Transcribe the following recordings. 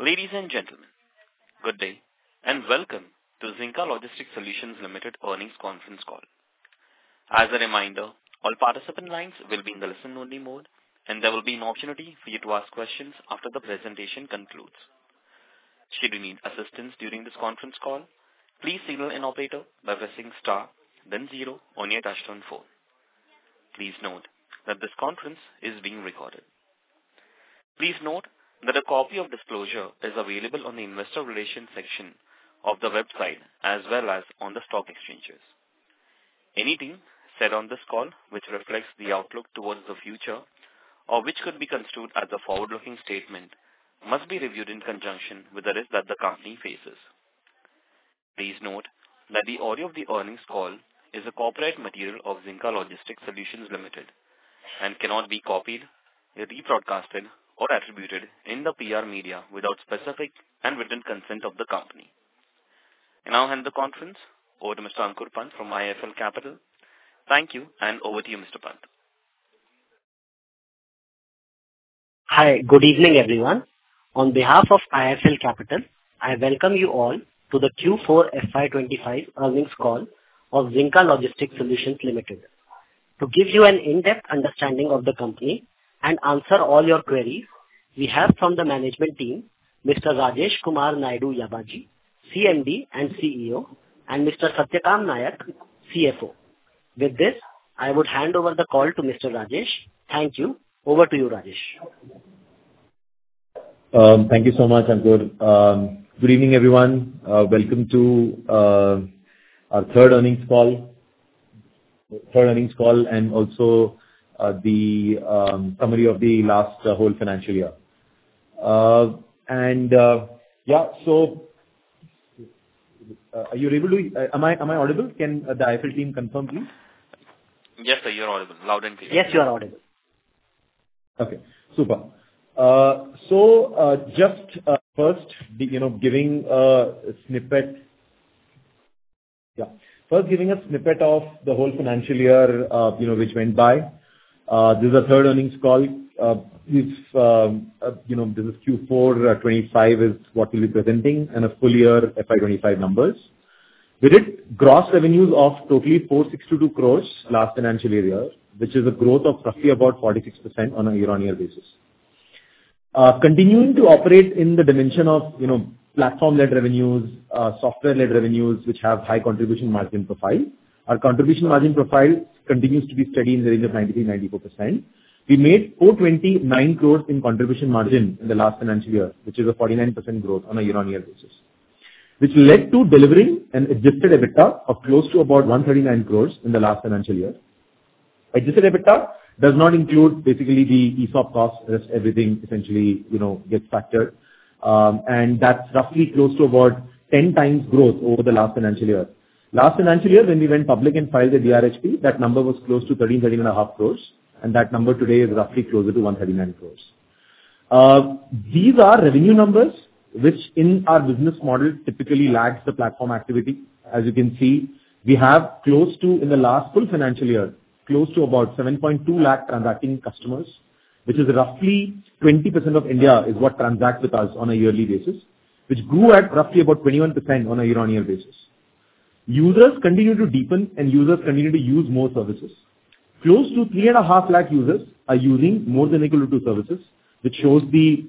Ladies and gentlemen, good day, and welcome to Zinka Logistics Solutions Limited earnings conference call. As a reminder, all participant lines will be in the listen-only mode, and there will be an opportunity for you to ask questions after the presentation concludes. Should you need assistance during this conference call, please signal an operator by pressing star, then zero on your touch-tone phone. Please note that this conference is being recorded. Please note that a copy of this closure is available on the investor relations section of the website, as well as on the stock exchanges. Anything said on this call which reflects the outlook towards the future or which could be construed as a forward-looking statement must be reviewed in conjunction with the risk that the company faces. Please note that the audio of the earnings call is a corporate material of Zinka Logistics Solutions Limited and cannot be copied, rebroadcasted, or attributed in the PR media without specific and written consent of the company. In our hand, the conference over to Mr. Ankur Pant from IIFL Capital. Thank you, and over to you, Mr. Pant. Hi, good evening, everyone. On behalf of IIFL Capital, I welcome you all to the Q4 FY 2025 earnings call of Zinka Logistics Solutions Limited. To give you an in-depth understanding of the company and answer all your queries, we have from the management team, Mr. Rajesh Kumar Naidu Yabaji, CMD and CEO, and Mr. Satyakam Naik, CFO. With this, I would hand over the call to Mr. Rajesh. Thank you. Over to you, Rajesh. Thank you so much, Ankur. Good evening, everyone. Welcome to our third earnings call, and also the summary of the last whole financial year. Yeah, so are you able to—am I audible? Can the IFL team confirm, please? Yes, sir, you're audible. Loud and clear. Yes, you are audible. Okay, super. Just first giving a snippet—yeah, first giving a snippet of the whole financial year which went by. This is a third earnings call. This is Q4 2025 is what we'll be presenting and a full year FY 2025 numbers. We did gross revenues of totally 462 crore last financial year, which is a growth of roughly about 46% on a year-on-year basis. Continuing to operate in the dimension of platform-led revenues, software-led revenues, which have high contribution margin profiles, our contribution margin profile continues to be steady in the range of 93%-94%. We made 429 crore in contribution margin in the last financial year, which is a 49% growth on a year-on-year basis, which led to delivering an adjusted EBITDA of close to about 139 crore in the last financial year. Adjusted EBITDA does not include basically the ESOP costs. Everything essentially gets factored, and that's roughly close to about 10x growth over the last financial year. Last financial year, when we went public and filed the DRHP, that number was close to 13 crore, 13.5 crore, and that number today is roughly closer to 139 crore. These are revenue numbers which, in our business model, typically lag the platform activity. As you can see, we have close to, in the last full financial year, close to about 720,000 transacting customers, which is roughly 20% of India is what transacts with us on a yearly basis, which grew at roughly about 21% on a year-on-year basis. Users continue to deepen, and users continue to use more services. Close to three and a half lakh users are using more than equal to services, which shows the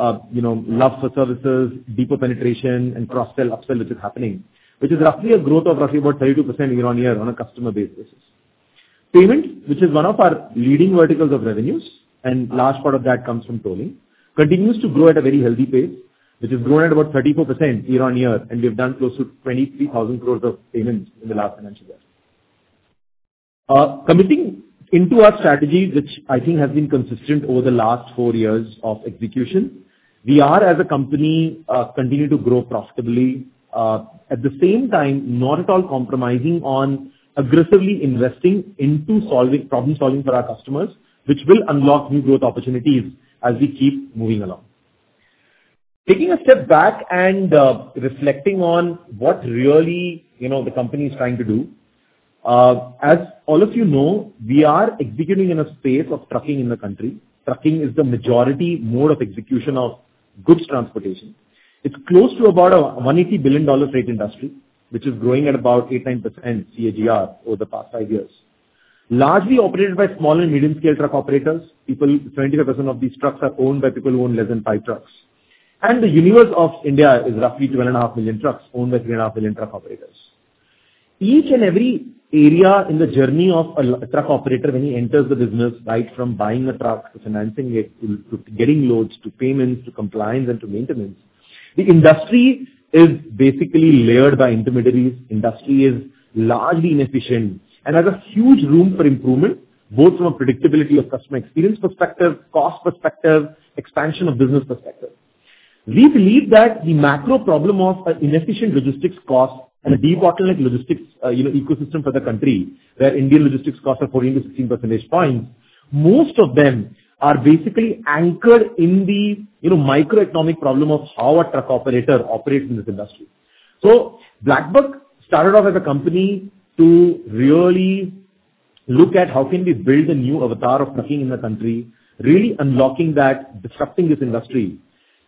love for services, deeper penetration, and cross-sell upsell which is happening, which is roughly a growth of roughly about 32% year-on-year on a customer base basis. Payment, which is one of our leading verticals of revenues, and a large part of that comes from tolling, continues to grow at a very healthy pace, which has grown at about 34% year-on-year, and we have done close to 23,000 crore of payments in the last financial year. Committing into our strategy, which I think has been consistent over the last four years of execution, we are, as a company, continuing to grow profitably at the same time, not at all compromising on aggressively investing into problem-solving for our customers, which will unlock new growth opportunities as we keep moving along. Taking a step back and reflecting on what really the company is trying to do, as all of you know, we are executing in a space of trucking in the country. Trucking is the majority mode of execution of goods transportation. It's close to about $180 billion freight industry, which is growing at about 8%-9% CAGR over the past five years, largely operated by small and medium-scale truck operators. People, 75% of these trucks are owned by people who own less than five trucks. The universe of India is roughly 12.5 million trucks owned by 3.5 million truck operators. Each and every area in the journey of a truck operator, when he enters the business, right from buying a truck to financing it, to getting loads, to payments, to compliance, and to maintenance, the industry is basically layered by intermediaries. Industry is largely inefficient, and there's a huge room for improvement, both from a predictability of customer experience perspective, cost perspective, expansion of business perspective. We believe that the macro problem of inefficient logistics costs and a deep bottleneck logistics ecosystem for the country, where Indian logistics costs are 14-16 percentage points, most of them are basically anchored in the microeconomic problem of how a truck operator operates in this industry. BlackBuck started off as a company to really look at how can we build a new avatar of trucking in the country, really unlocking that, disrupting this industry,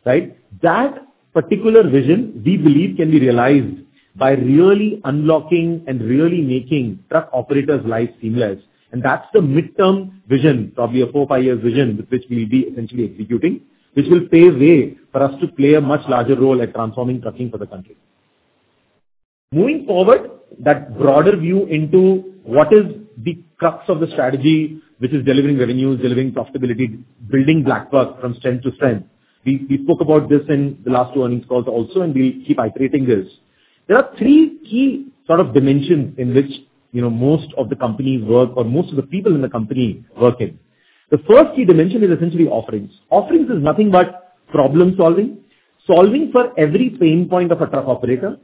right? That particular vision, we believe, can be realized by really unlocking and really making truck operators' lives seamless. That is the midterm vision, probably a four, five-year vision with which we will be essentially executing, which will pave way for us to play a much larger role at transforming trucking for the country. Moving forward, that broader view into what is the crux of the strategy, which is delivering revenues, delivering profitability, building BlackBuck from strength to strength. We spoke about this in the last two earnings calls also, and we will keep iterating this. There are three key sort of dimensions in which most of the company work or most of the people in the company work in. The first key dimension is essentially offerings. Offerings is nothing but problem-solving, solving for every pain point of a truck operator.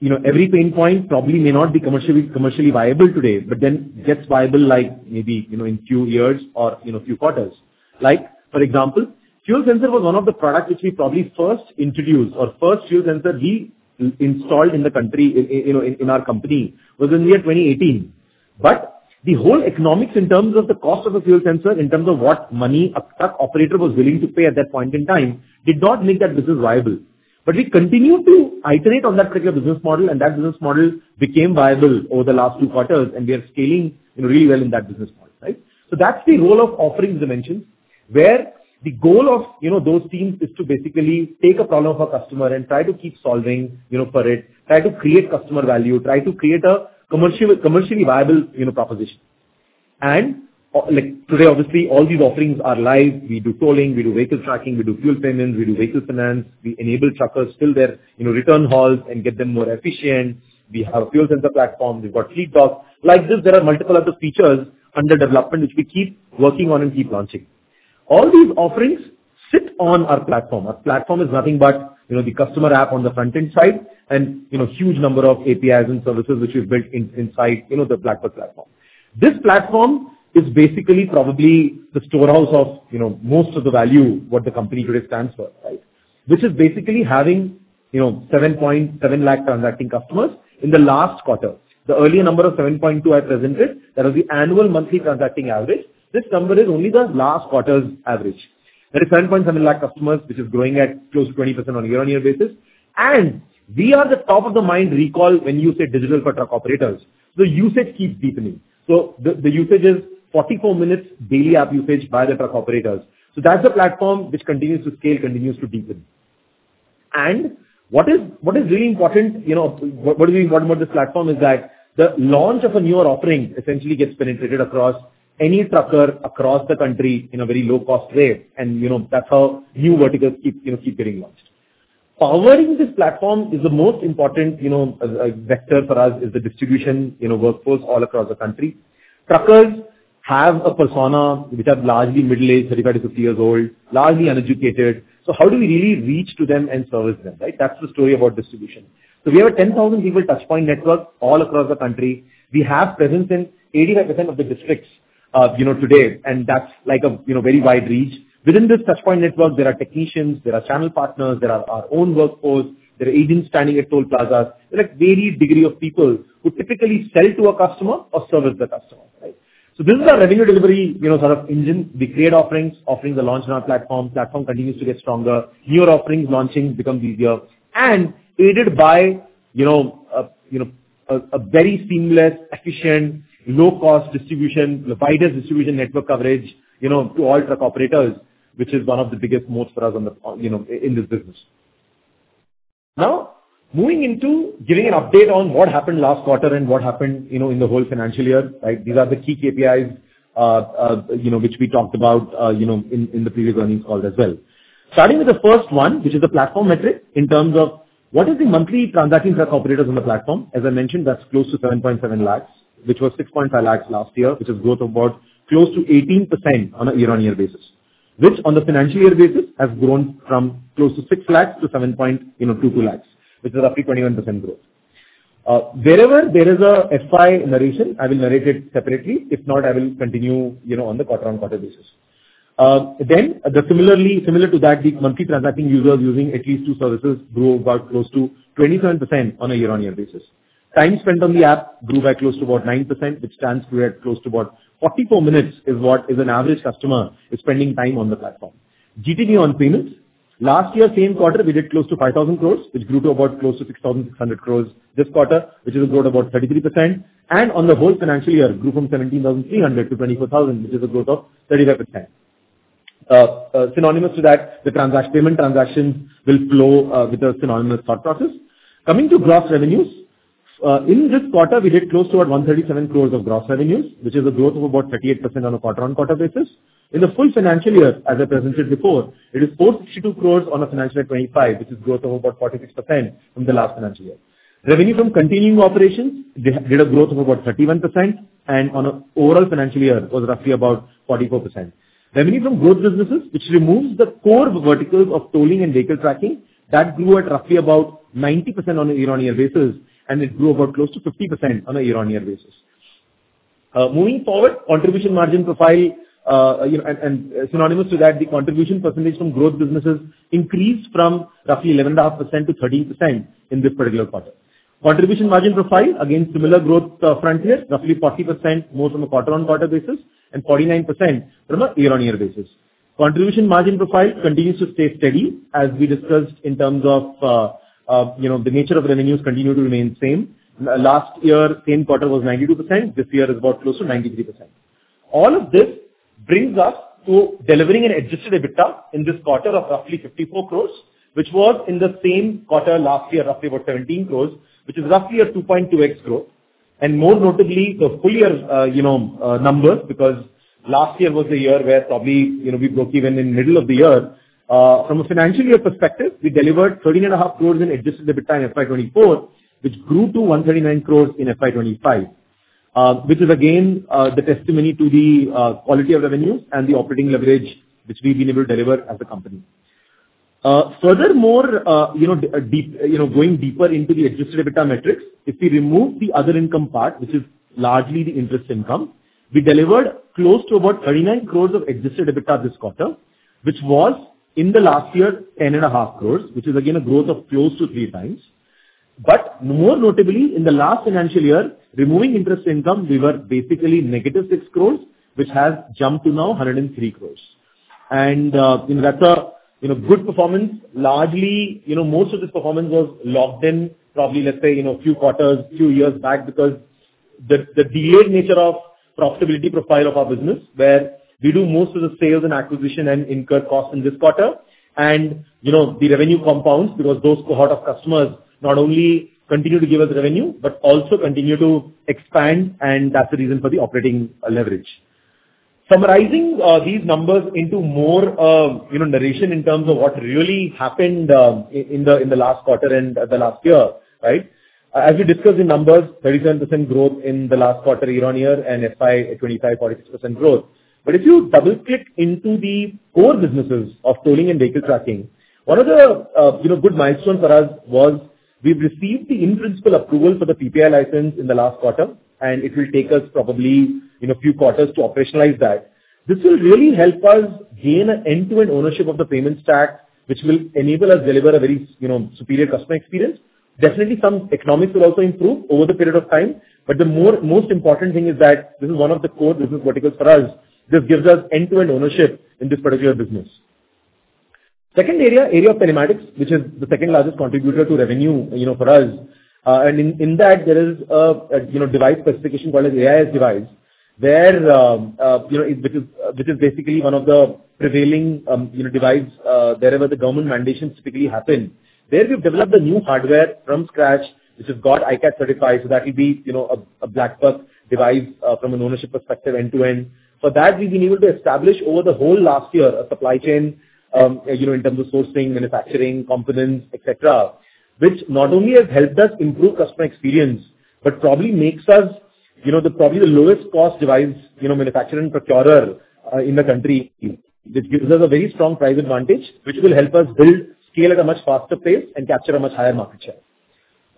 Every pain point probably may not be commercially viable today, but then gets viable like maybe in a few years or a few quarters. Like, for example, fuel sensor was one of the products which we probably first introduced or first fuel sensor we installed in the country, in our company, was in the year 2018. The whole economics in terms of the cost of a fuel sensor, in terms of what money a truck operator was willing to pay at that point in time, did not make that business viable. We continue to iterate on that particular business model, and that business model became viable over the last two quarters, and we are scaling really well in that business model, right? That is the role of offerings dimension, where the goal of those teams is to basically take a problem of a customer and try to keep solving for it, try to create customer value, try to create a commercially viable proposition. Today, obviously, all these offerings are live. We do tolling, we do vehicle tracking, we do fuel payments, we do vehicle finance, we enable truckers to fill their return hauls and get them more efficient. We have a fuel sensor platform. We've got Fleet Docs. Like this, there are multiple other features under development which we keep working on and keep launching. All these offerings sit on our platform. Our platform is nothing but the customer app on the front-end side and a huge number of APIs and services which we've built inside the BlackBuck platform. This platform is basically probably the storehouse of most of the value, what the company today stands for, right? Which is basically having 7.7 lakh transacting customers in the last quarter. The earlier number of 7.2 I presented, that was the annual monthly transacting average. This number is only the last quarter's average. That is 7.7 lakh customers, which is growing at close to 20% on a year-on-year basis. We are the top of the mind recall when you say digital for truck operators. The usage keeps deepening. The usage is 44 minutes daily app usage by the truck operators. That is a platform which continues to scale, continues to deepen. What is really important, what we want about this platform, is that the launch of a newer offering essentially gets penetrated across any trucker across the country in a very low-cost way. That is how new verticals keep getting launched. Powering this platform is the most important vector for us, the distribution workforce all across the country. Truckers have a persona which are largely middle-aged, 35-50 years old, largely uneducated. How do we really reach to them and service them, right? That's the story about distribution. We have a 10,000-people touchpoint network all across the country. We have presence in 85% of the districts today, and that's like a very wide reach. Within this touchpoint network, there are technicians, there are channel partners, there are our own workforce, there are agents standing at toll plazas, there are various degrees of people who typically sell to a customer or service the customer, right? This is our revenue delivery sort of engine. We create offerings, offerings are launched on our platform. The platform continues to get stronger. Newer offerings launching becomes easier and aided by a very seamless, efficient, low-cost distribution, widest distribution network coverage to all truck operators, which is one of the biggest motes for us in this business. Now, moving into giving an update on what happened last quarter and what happened in the whole financial year, right? These are the key KPIs which we talked about in the previous earnings call as well. Starting with the first one, which is the platform metric in terms of what is the monthly transacting truck operators on the platform. As I mentioned, that's close to 770,000, which was 650,000 last year, which is growth of about close to 18% on a year-on-year basis, which on the financial year basis has grown from close to 600,000 to 722,000, which is roughly 21% growth. Wherever there is an FY narration, I will narrate it separately. If not, I will continue on the quarter-on-quarter basis. Then, similar to that, the monthly transacting users using at least two services grew about close to 27% on a year-on-year basis. Time spent on the app grew by close to about 9%, which stands to be at close to about 44 minutes is what an average customer is spending time on the platform. GTV on payments. Last year, same quarter, we did close to 5,000 crore, which grew to about close to 6,600 crore this quarter, which is a growth of about 33%. On the whole financial year, it grew from 17,300 crore to 24,000 crore, which is a growth of 35%. Synonymous to that, the payment transactions will flow with a synonymous thought process. Coming to gross revenues, in this quarter, we did close to about 137 crore of gross revenues, which is a growth of about 38% on a quarter-on-quarter basis. In the full financial year, as I presented before, it is 4.62 billion on a financial year 2025, which is a growth of about 46% from the last financial year. Revenue from continuing operations did a growth of about 31%, and on an overall financial year, it was roughly about 44%. Revenue from growth businesses, which removes the core verticals of tolling and vehicle tracking, that grew at roughly about 90% on a year-on-year basis, and it grew about close to 50% on a year-on-year basis. Moving forward, contribution margin profile, and synonymous to that, the contribution percentage from growth businesses increased from roughly 11.5%-13% in this particular quarter. Contribution margin profile, again, similar growth frontier, roughly 40% more from a quarter-on-quarter basis and 49% from a year-on-year basis. Contribution margin profile continues to stay steady, as we discussed in terms of the nature of revenues continue to remain same. Last year, same quarter was 92%. This year is about close to 93%. All of this brings us to delivering an adjusted EBITDA in this quarter of roughly 54 crore, which was in the same quarter last year, roughly about 17 crore, which is roughly a 2.2x growth. More notably, the full year numbers, because last year was the year where probably we broke even in the middle of the year. From a financial year perspective, we delivered 13.5 crore in adjusted EBITDA in FY 2024, which grew to 139 crore in FY 2025, which is again the testimony to the quality of revenues and the operating leverage which we've been able to deliver as a company. Furthermore, going deeper into the adjusted EBITDA metrics, if we remove the other income part, which is largely the interest income, we delivered close to about 390 crores of adjusted EBITDA this quarter, which was in the last year 10.5 crores, which is again a growth of close to three times. More notably, in the last financial year, removing interest income, we were basically -60 crores, which has jumped to now 103 crores. That is a good performance. Largely, most of this performance was locked in, probably, let's say, a few quarters, a few years back, because of the delayed nature of profitability profile of our business, where we do most of the sales and acquisition and incur costs in this quarter, and the revenue compounds because those cohort of customers not only continue to give us revenue, but also continue to expand, and that's the reason for the operating leverage. Summarizing these numbers into more narration in terms of what really happened in the last quarter and the last year, right? As we discussed in numbers, 37% growth in the last quarter year-on-year and FY 2025, 46% growth. If you double-click into the core businesses of tolling and vehicle tracking, one of the good milestones for us was we've received the in-principle approval for the PPI license in the last quarter, and it will take us probably a few quarters to operationalize that. This will really help us gain an end-to-end ownership of the payments stack, which will enable us to deliver a very superior customer experience. Definitely, some economics will also improve over the period of time. The most important thing is that this is one of the core business verticals for us. This gives us end-to-end ownership in this particular business. Second area, area of telematics, which is the second largest contributor to revenue for us. In that, there is a device specification called an AIS device, which is basically one of the prevailing devices wherever the government mandations typically happen. There we've developed a new hardware from scratch, which has got ICAT certified, so that will be a BlackBuck device from an ownership perspective end-to-end. For that, we've been able to establish over the whole last year a supply chain in terms of sourcing, manufacturing, components, etc., which not only has helped us improve customer experience, but probably makes us probably the lowest-cost device manufacturer and procurer in the country. This gives us a very strong price advantage, which will help us build, scale at a much faster pace, and capture a much higher market share.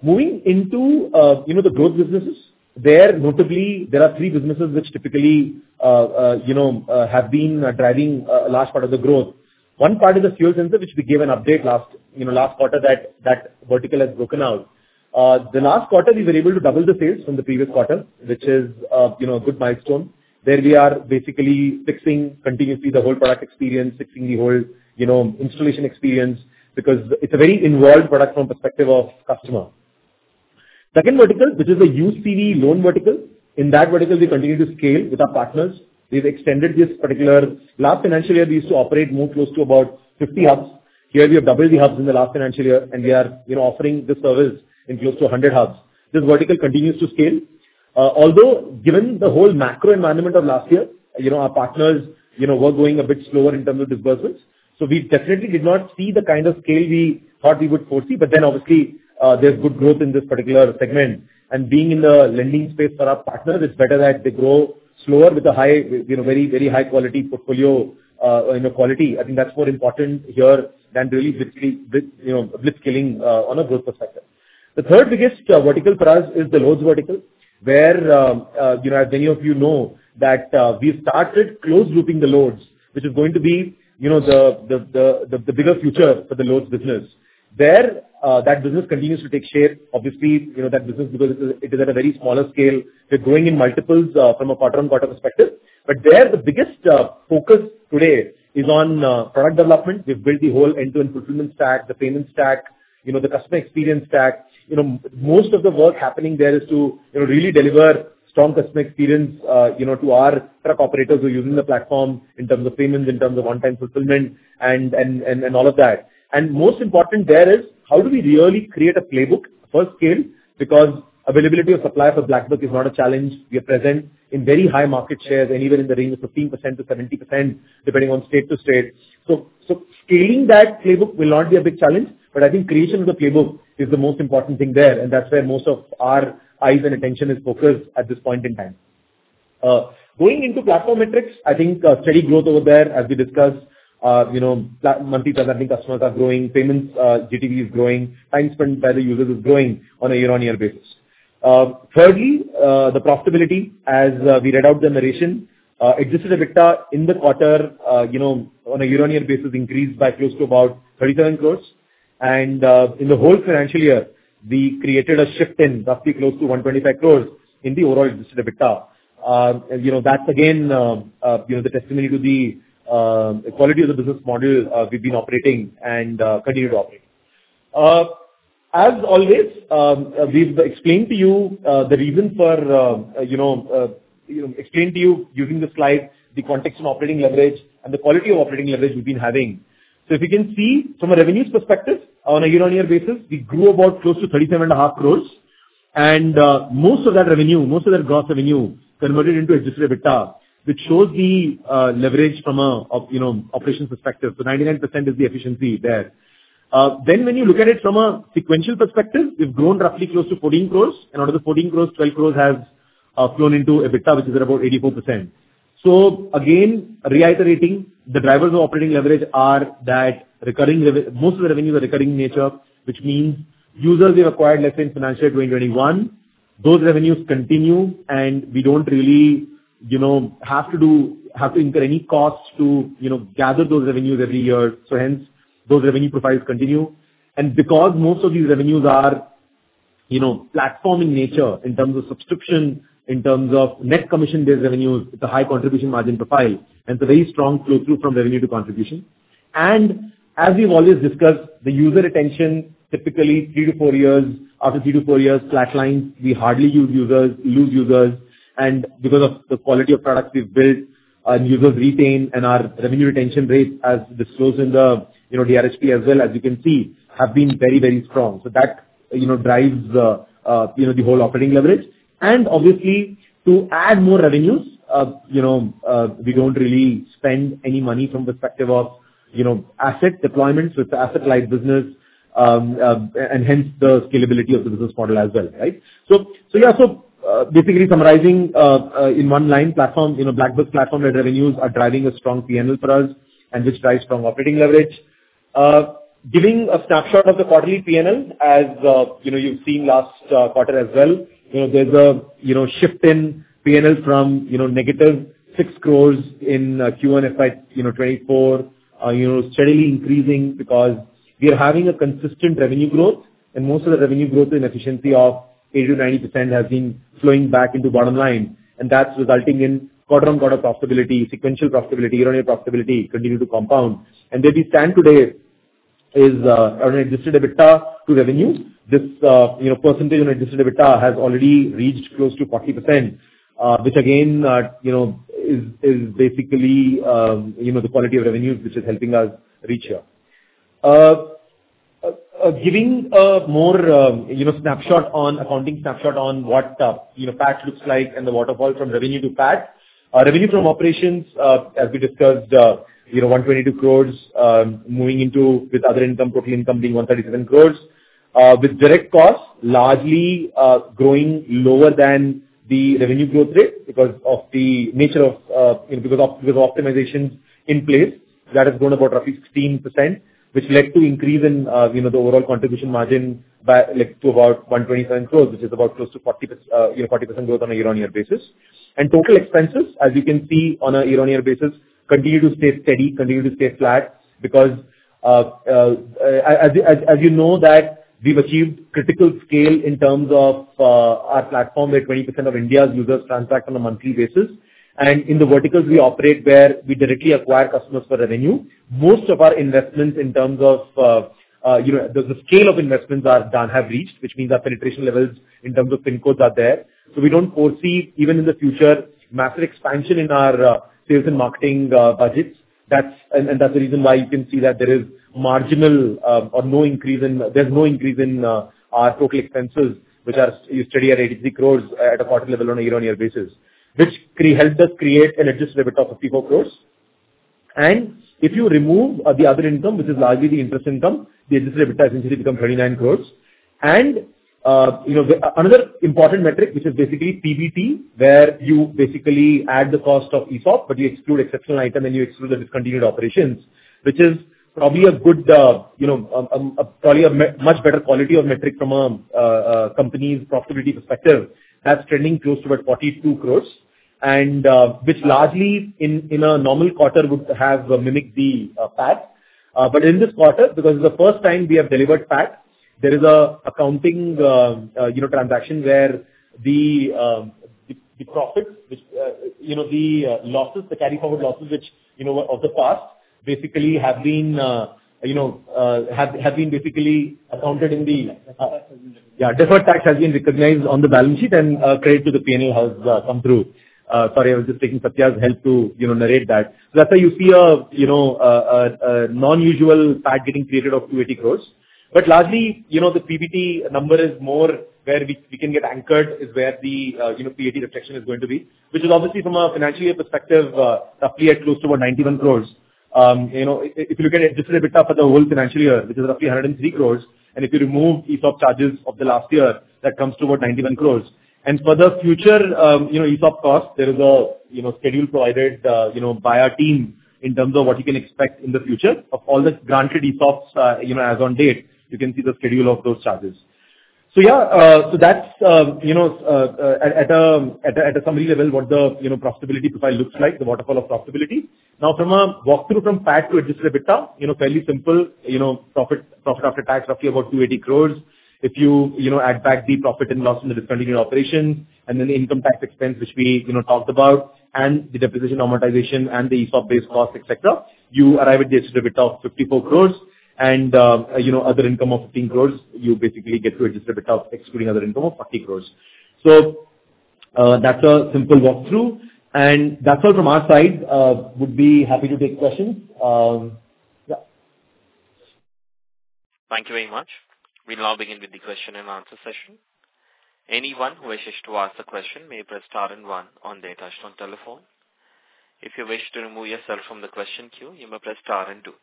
Moving into the growth businesses, where notably there are three businesses which typically have been driving a large part of the growth. One part is the fuel sensor, which we gave an update last quarter that that vertical has broken out. The last quarter, we were able to double the sales from the previous quarter, which is a good milestone. There we are basically fixing continuously the whole product experience, fixing the whole installation experience because it's a very involved product from the perspective of customer. Second vertical, which is the UCV loan vertical. In that vertical, we continue to scale with our partners. We've extended this particular last financial year. We used to operate more close to about 50 hubs. Here we have doubled the hubs in the last financial year, and we are offering this service in close to 100 hubs. This vertical continues to scale. Although, given the whole macro environment of last year, our partners were going a bit slower in terms of disbursements. We definitely did not see the kind of scale we thought we would foresee. Obviously, there is good growth in this particular segment. Being in the lending space for our partners, it is better that they grow slower with a very high-quality portfolio quality. I think that is more important here than really blitz killing on a growth perspective. The third biggest vertical for us is the loads vertical, where, as many of you know, we have started close grouping the loads, which is going to be the bigger future for the loads business. There, that business continues to take share. Obviously, that business, because it is at a very smaller scale, we are growing in multiples from a quarter-on-quarter perspective. There, the biggest focus today is on product development. We have built the whole end-to-end fulfillment stack, the payments stack, the customer experience stack. Most of the work happening there is to really deliver strong customer experience to our truck operators who are using the platform in terms of payments, in terms of one-time fulfillment, and all of that. Most important there is how do we really create a playbook for scale? Because availability of supply for BlackBuck is not a challenge. We are present in very high market shares, anywhere in the range of 15%-70%, depending on state to state. Scaling that playbook will not be a big challenge. I think creation of the playbook is the most important thing there. That is where most of our eyes and attention is focused at this point in time. Going into platform metrics, I think steady growth over there, as we discussed, monthly transacting customers are growing, payments, GTV is growing, time spent by the users is growing on a year-on-year basis. Thirdly, the profitability, as we read out the narration, Adjusted EBITDA in the quarter on a year-on-year basis increased by close to about 37 crore. And in the whole financial year, we created a shift in roughly close to 125 crore in the overall Adjusted EBITDA. That is, again, the testimony to the quality of the business model we have been operating and continue to operate. As always, we have explained to you the reason for explaining to you using this slide, the context of operating leverage and the quality of operating leverage we have been having. If you can see from a revenues perspective, on a year-on-year basis, we grew about close to 37.5 crore. Most of that revenue, most of that gross revenue, converted into existing EBITDA, which shows the leverage from an operations perspective. Ninety-nine percent is the efficiency there. When you look at it from a sequential perspective, we have grown roughly close to 14 crore. Out of the 14 crore, 12 crore have flown into EBITDA, which is at about 84%. Again, reiterating, the drivers of operating leverage are that most of the revenues are recurring in nature, which means users have acquired less in financial year 2021. Those revenues continue, and we do not really have to incur any costs to gather those revenues every year. Hence, those revenue profiles continue. Because most of these revenues are platform in nature in terms of subscription, in terms of net commission-based revenues, it is a high contribution margin profile. It is a very strong flow through from revenue to contribution. As we have always discussed, the user retention, typically three to four years, after three to four years, flatlines. We hardly lose users. Because of the quality of products we have built, users retain, and our revenue retention rate, as this flows in the DRHP as well, as you can see, has been very, very strong. That drives the whole operating leverage. Obviously, to add more revenues, we do not really spend any money from the perspective of asset deployment. It is an asset-light business, and hence the scalability of the business model as well, right? Basically, summarizing in one line, BlackBuck's platform and revenues are driving a strong P&L for us, which drives strong operating leverage. Giving a snapshot of the quarterly P&L, as you've seen last quarter as well, there's a shift in P&L from negative INR 6 crore in Q1 FY 2024, steadily increasing because we are having a consistent revenue growth. Most of the revenue growth in efficiency of 80%-90% has been flowing back into bottom line. That's resulting in quarter-on-quarter profitability, sequential profitability, year-on-year profitability continue to compound. Where we stand today is on an exited EBITDA to revenue. This percentage on exited EBITDA has already reached close to 40%, which again is basically the quality of revenues, which is helping us reach here. Giving a more snapshot on accounting snapshot on what PAT looks like and the waterfall from revenue to PAT. Revenue from operations, as we discussed, 122 crore moving into with other income, total income being 137 crore. With direct costs largely growing lower than the revenue growth rate because of the nature of optimizations in place, that has grown about roughly 16%, which led to increase in the overall contribution margin to about 127 crore, which is about close to 40% growth on a year-on-year basis. Total expenses, as you can see on a year-on-year basis, continue to stay steady, continue to stay flat because, as you know, that we've achieved critical scale in terms of our platform where 20% of India's users transact on a monthly basis. In the verticals we operate where we directly acquire customers for revenue, most of our investments in terms of the scale of investments have reached, which means our penetration levels in terms of PIN codes are there. We don't foresee, even in the future, massive expansion in our sales and marketing budgets. That's the reason why you can see that there is marginal or no increase in our total expenses, which are steady at 83 crore at a quarter level on a year-on-year basis, which helped us create an adjusted EBITDA of 54 crore. If you remove the other income, which is largely the interest income, the adjusted EBITDA has essentially become 39 crore. Another important metric, which is basically PBT, where you add the cost of ESOP, but you exclude exceptional item, and you exclude the discontinued operations, which is probably a much better quality of metric from a company's profitability perspective. That's trending close to about 42 crore, which largely in a normal quarter would have mimicked the PAT. In this quarter, because it's the first time we have delivered PAT, there is an accounting transaction where the profits, which the losses, the carryforward losses of the past, basically have been accounted in the, yeah, deferred tax has been recognized on the balance sheet and credit to the P&L has come through. Sorry, I was just taking Satyak's help to narrate that. That is why you see a non-usual PAT getting created of 2.8 billion. Largely, the PBT number is more where we can get anchored, is where the PBT reflection is going to be, which is obviously from a financial year perspective, roughly at close to about 91 crores. If you look at adjusted EBITDA for the whole financial year, which is roughly 103 crores, and if you remove ESOP charges of the last year, that comes to about 91 crores. For the future ESOP costs, there is a schedule provided by our team in terms of what you can expect in the future of all the granted ESOPs as on date. You can see the schedule of those charges. Yeah, that's at a summary level what the profitability profile looks like, the waterfall of profitability. Now, from a walkthrough from PAT to adjusted EBITDA, fairly simple, profit after tax, roughly about 280 crore. If you add back the profit and loss in the discontinued operations, and then the income tax expense, which we talked about, and the depreciation amortization, and the ESOP-based cost, etc., you arrive at the adjusted EBITDA of 54 crore. And other income of 15 crore, you basically get to adjusted EBITDA excluding other income of 40 crore. That's a simple walkthrough. That's all from our side. We'd be happy to take questions. Yeah. Thank you very much. We now begin with the question and answer session. Anyone who wishes to ask a question may press star and one on their touchstone telephone. If you wish to remove yourself from the question queue, you may press star and two.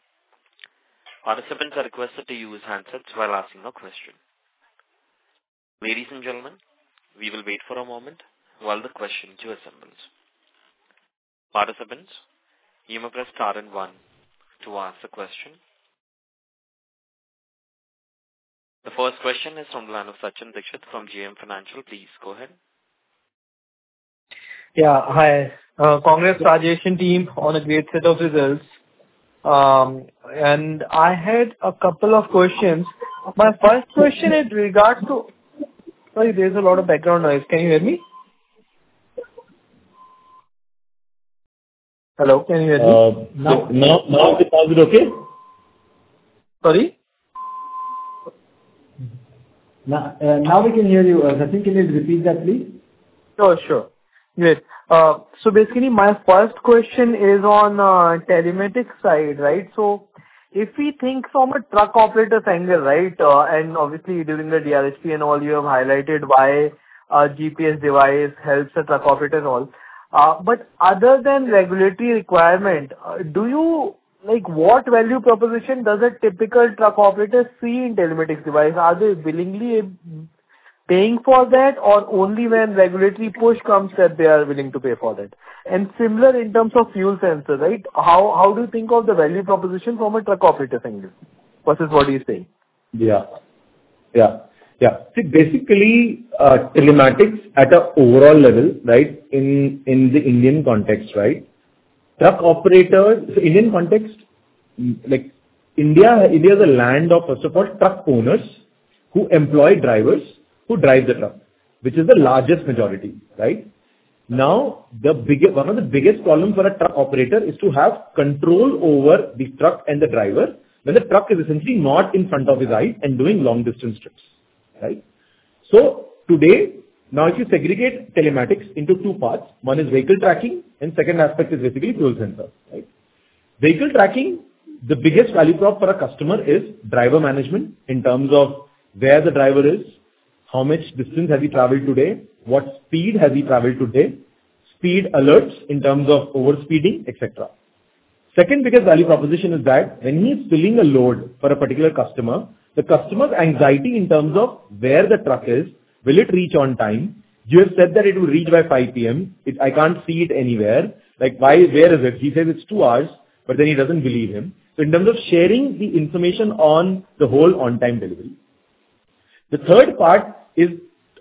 Participants are requested to use handsets while asking a question. Ladies and gentlemen, we will wait for a moment while the question queue assembles. Participants, you may press star and one to ask a question. The first question is from the line of Sachin Dixit from JM Financial. Please go ahead. Yeah. Hi. Congratulations team on a great set of results. I had a couple of questions. My first question is with regards to sorry, there's a lot of background noise. Can you hear me? Hello? Can you hear me? Now is it okay? Sorry? Now we can hear you. Sachin, can you repeat that, please? Sure, sure. Great. Basically, my first question is on the telematics side, right? If we think from a truck operator's angle, right, and obviously during the DRHP and all, you have highlighted why a GPS device helps a truck operator and all. Other than regulatory requirement, what value proposition does a typical truck operator see in a telematics device? Are they willingly paying for that, or only when regulatory push comes that they are willing to pay for it? Similar in terms of fuel sensors, right? How do you think of the value proposition from a truck operator's angle versus what do you say? Yeah. See, basically, telematics at an overall level, right, in the Indian context, right, truck operator, so Indian context, India is a land of, first of all, truck owners who employ drivers who drive the truck, which is the largest majority, right? Now, one of the biggest problems for a truck operator is to have control over the truck and the driver when the truck is essentially not in front of his eyes and doing long-distance trips, right? Today, now if you segregate telematics into two parts, one is vehicle tracking, and the second aspect is basically fuel sensors, right? Vehicle tracking, the biggest value prop for a customer is driver management in terms of where the driver is, how much distance has he traveled today, what speed has he traveled today, speed alerts in terms of overspeeding, etc. Second biggest value proposition is that when he's filling a load for a particular customer, the customer's anxiety in terms of where the truck is, will it reach on time? You have said that it will reach by 5:00 P.M. I can't see it anywhere. Where is it? He says it's two hours, but then he doesn't believe him. In terms of sharing the information on the whole on-time delivery. The third part is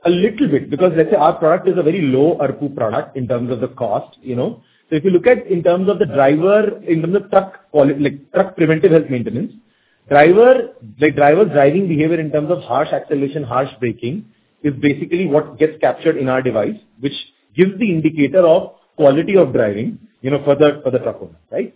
a little bit because, let's say, our product is a very low ARPU product in terms of the cost. If you look at in terms of the driver, in terms of truck preventive health maintenance, driver's driving behavior in terms of harsh acceleration, harsh braking is basically what gets captured in our device, which gives the indicator of quality of driving for the truck owner, right?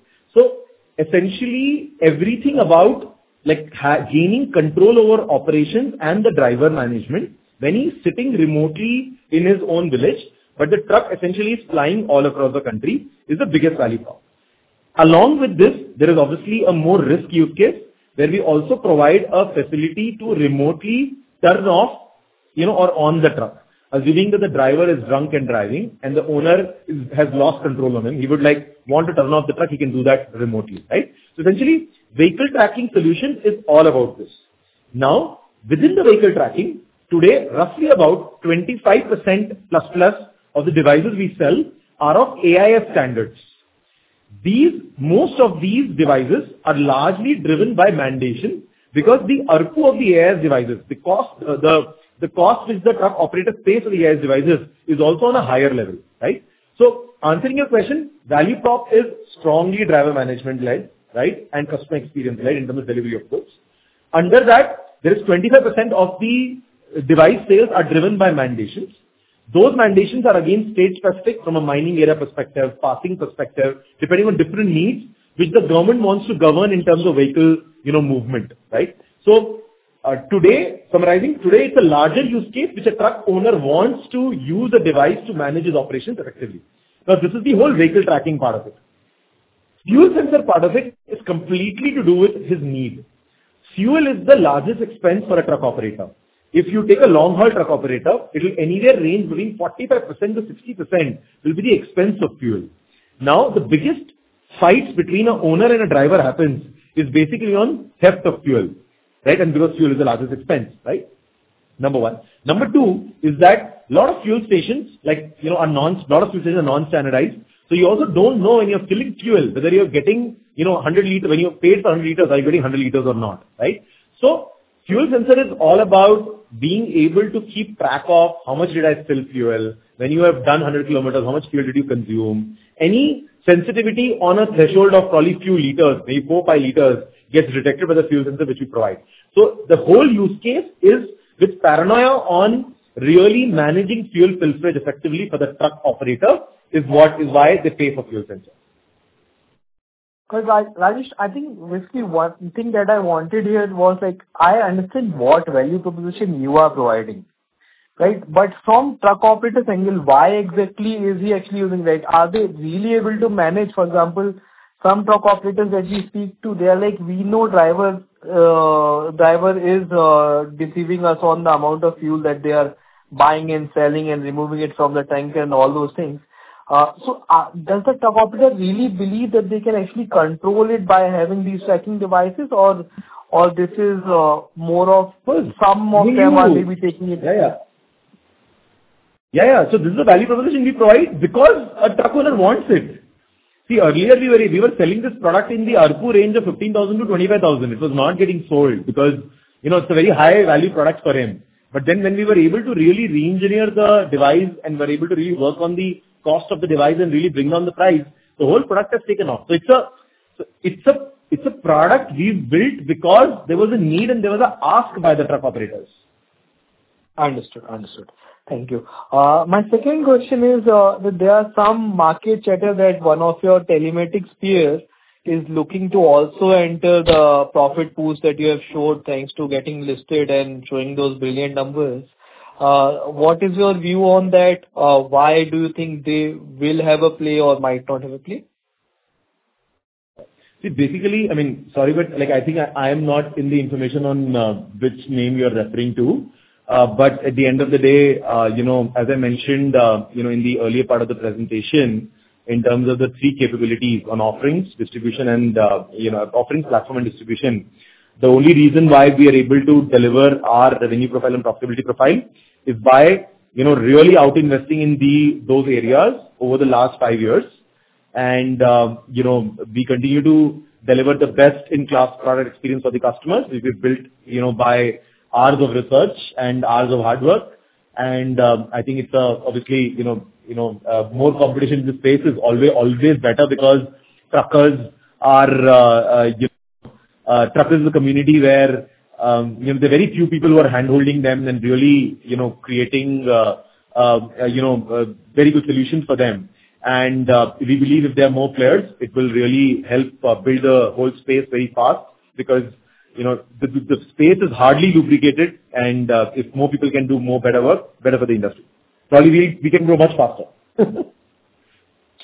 Essentially, everything about gaining control over operations and the driver management when he's sitting remotely in his own village, but the truck essentially is flying all across the country is the biggest value prop. Along with this, there is obviously a more risk use case where we also provide a facility to remotely turn off or on the truck, assuming that the driver is drunk and driving and the owner has lost control on him. He would want to turn off the truck. He can do that remotely, right? Essentially, vehicle tracking solution is all about this. Now, within the vehicle tracking, today, roughly about 25%++ of the devices we sell are of AIS standards. Most of these devices are largely driven by mandation because the ARPU of the AIS devices, the cost which the truck operators pay for the AIS devices is also on a higher level, right? Answering your question, value prop is strongly driver management-led, right, and customer experience-led in terms of delivery of goods. Under that, 25% of the device sales are driven by mandations. Those mandations are again state-specific from a mining area perspective, parking perspective, depending on different needs which the government wants to govern in terms of vehicle movement, right? Summarizing, today it's a larger use case which a truck owner wants to use a device to manage his operations effectively. Now, this is the whole vehicle tracking part of it. Fuel sensor part of it is completely to do with his need. Fuel is the largest expense for a truck operator. If you take a long-haul truck operator, it will anywhere range between 45%-60% will be the expense of fuel. Now, the biggest fights between an owner and a driver happens is basically on heft of fuel, right? And because fuel is the largest expense, right? Number one. Number two is that a lot of fuel stations, like a lot of fuel stations are non-standardized. You also don't know when you're filling fuel, whether you're getting 100 L, when you're paid for 100 L, are you getting 100 L or not, right? Fuel sensor is all about being able to keep track of how much did I fill fuel, when you have done 100 km, how much fuel did you consume. Any sensitivity on a threshold of probably few liters, maybe 4-5 L, gets detected by the fuel sensor which we provide. The whole use case is with paranoia on really managing fuel filterage effectively for the truck operator is why they pay for fuel sensors. Because Rajesh, I think basically one thing that I wanted here was I understand what value proposition you are providing, right? From the truck operator's angle, why exactly is he actually using that? Are they really able to manage, for example, some truck operators that we speak to, they are like, "We know driver is deceiving us on the amount of fuel that they are buying and selling and removing it from the tank and all those things." Does the truck operator really believe that they can actually control it by having these tracking devices, or is this more of some of them are maybe taking it? Yeah, yeah. This is the value proposition we provide because a truck owner wants it. Earlier we were selling this product in the ARPU range of 15,000-25,000. It was not getting sold because it is a very high-value product for him. When we were able to really re-engineer the device and were able to really work on the cost of the device and really bring down the price, the whole product has taken off. It is a product we have built because there was a need and there was an ask by the truck operators. I understood. I understood. Thank you. My second question is that there is some market chatter that one of your telematics peers is looking to also enter the profit boost that you have showed thanks to getting listed and showing those brilliant numbers. What is your view on that? Why do you think they will have a play or might not have a play? Basically, I mean, sorry, but I think I am not in the information on which name you're referring to. At the end of the day, as I mentioned in the earlier part of the presentation, in terms of the three capabilities on offerings, distribution, and offering platform and distribution, the only reason why we are able to deliver our revenue profile and profitability profile is by really out-investing in those areas over the last five years. We continue to deliver the best-in-class product experience for the customers which we've built by hours of research and hours of hard work. I think obviously more competition in this space is always better because truckers are truckers in the community where there are very few people who are hand-holding them and really creating very good solutions for them. We believe if there are more players, it will really help build the whole space very fast because the space is hardly lubricated, and if more people can do more better work, better for the industry. Probably we can grow much faster.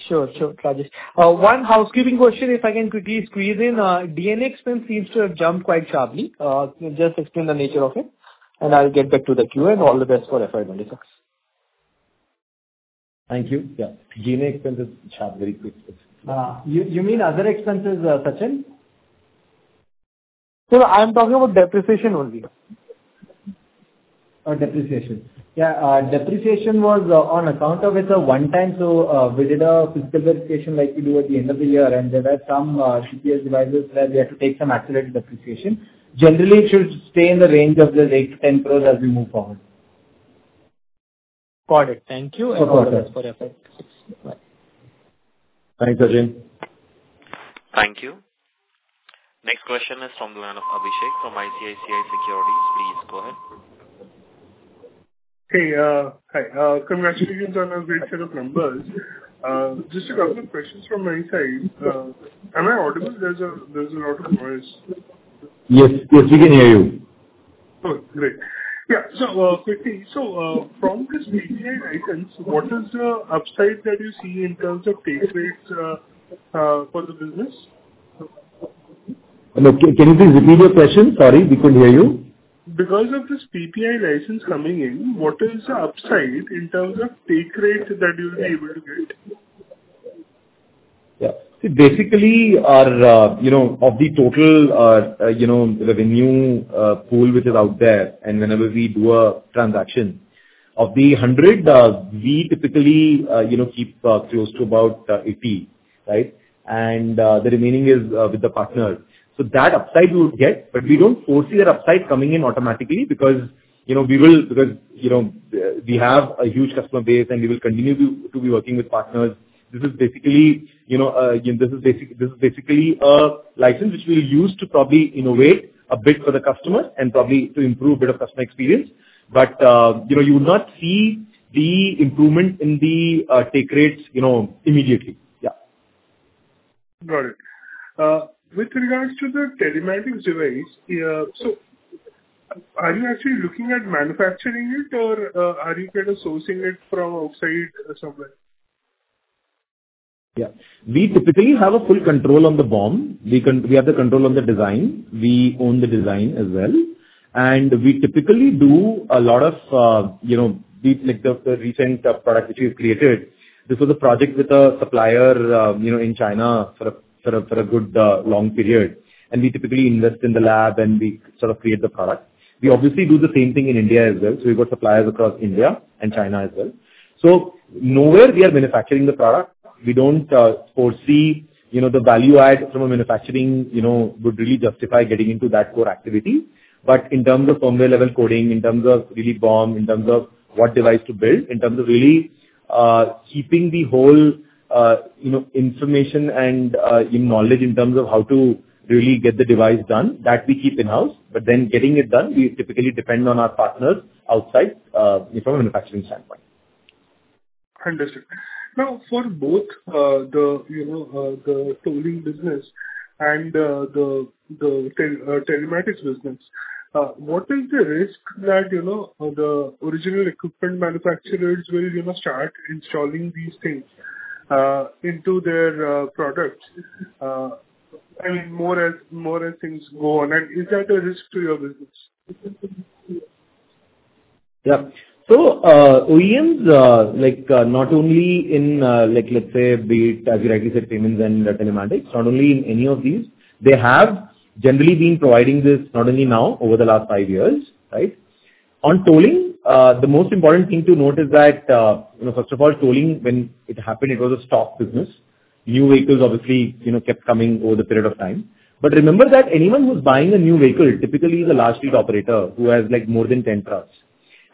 Sure, sure. Rajesh, one housekeeping question, if I can quickly squeeze in. D&A expense seems to have jumped quite sharply. Just explain the nature of it, and I'll get back to the Q&A. All the best for FY 2026. Thank you. Yeah. D&A expense has jumped very quickly. You mean other expenses, Sachin? No, no. I'm talking about depreciation only. Oh, depreciation. Yeah. Depreciation was on account of it's a one-time, so we did a physical verification like we do at the end of the year, and there are some GPS devices where we have to take some accelerated depreciation. Generally, it should stay in the range of 80 crores-100 crores as we move forward. Got it. Thank you. All the best for FY 2026. Bye. Thanks, Sachin. Thank you. Next question is from the line of Abhishek from ICICI Securities. Please go ahead. Hey, hi. Congratulations on a great set of numbers. Just a couple of questions from my side. Am I audible? There's a lot of noise. Yes, yes. We can hear you. Oh, great. Yeah. Quickly, from this PPI license, what is the upside that you see in terms of take rates for the business? Can you please repeat your question? Sorry, we couldn't hear you. Because of this PPI license coming in, what is the upside in terms of take rate that you'll be able to get? Yeah. Basically, of the total revenue pool which is out there and whenever we do a transaction, of the 100, we typically keep close to about 80, right? And the remaining is with the partners. That upside we would get, but we don't foresee that upside coming in automatically because we have a huge customer base and we will continue to be working with partners. This is basically a license which we'll use to probably innovate a bit for the customers and probably to improve a bit of customer experience. You would not see the improvement in the take rates immediately. Yeah. Got it. With regards to the telematics device, are you actually looking at manufacturing it, or are you kind of sourcing it from outside somewhere? Yeah. We typically have full control on the BOM. We have the control on the design. We own the design as well. We typically do a lot of the recent product which we've created. This was a project with a supplier in China for a good long period. We typically invest in the lab, and we sort of create the product. We obviously do the same thing in India as well. We have got suppliers across India and China as well. Nowhere are we manufacturing the product. We do not foresee the value add from manufacturing would really justify getting into that core activity. But in terms of firmware-level coding, in terms of really BOM, in terms of what device to build, in terms of really keeping the whole information and knowledge in terms of how to really get the device done, that we keep in-house. Then getting it done, we typically depend on our partners outside from a manufacturing standpoint. Understood. Now, for both the towing business and the telematics business, what is the risk that the original equipment manufacturers will start installing these things into their products? I mean, more as things go on. Is that a risk to your business? Yeah. OEMs, not only in, let's say, as you rightly said, payments and telematics, not only in any of these, they have generally been providing this not only now, over the last five years, right? On towing, the most important thing to note is that, first of all, towing, when it happened, it was a stock business. New vehicles obviously kept coming over the period of time. Remember that anyone who's buying a new vehicle typically is a large fleet operator who has more than 10 trucks.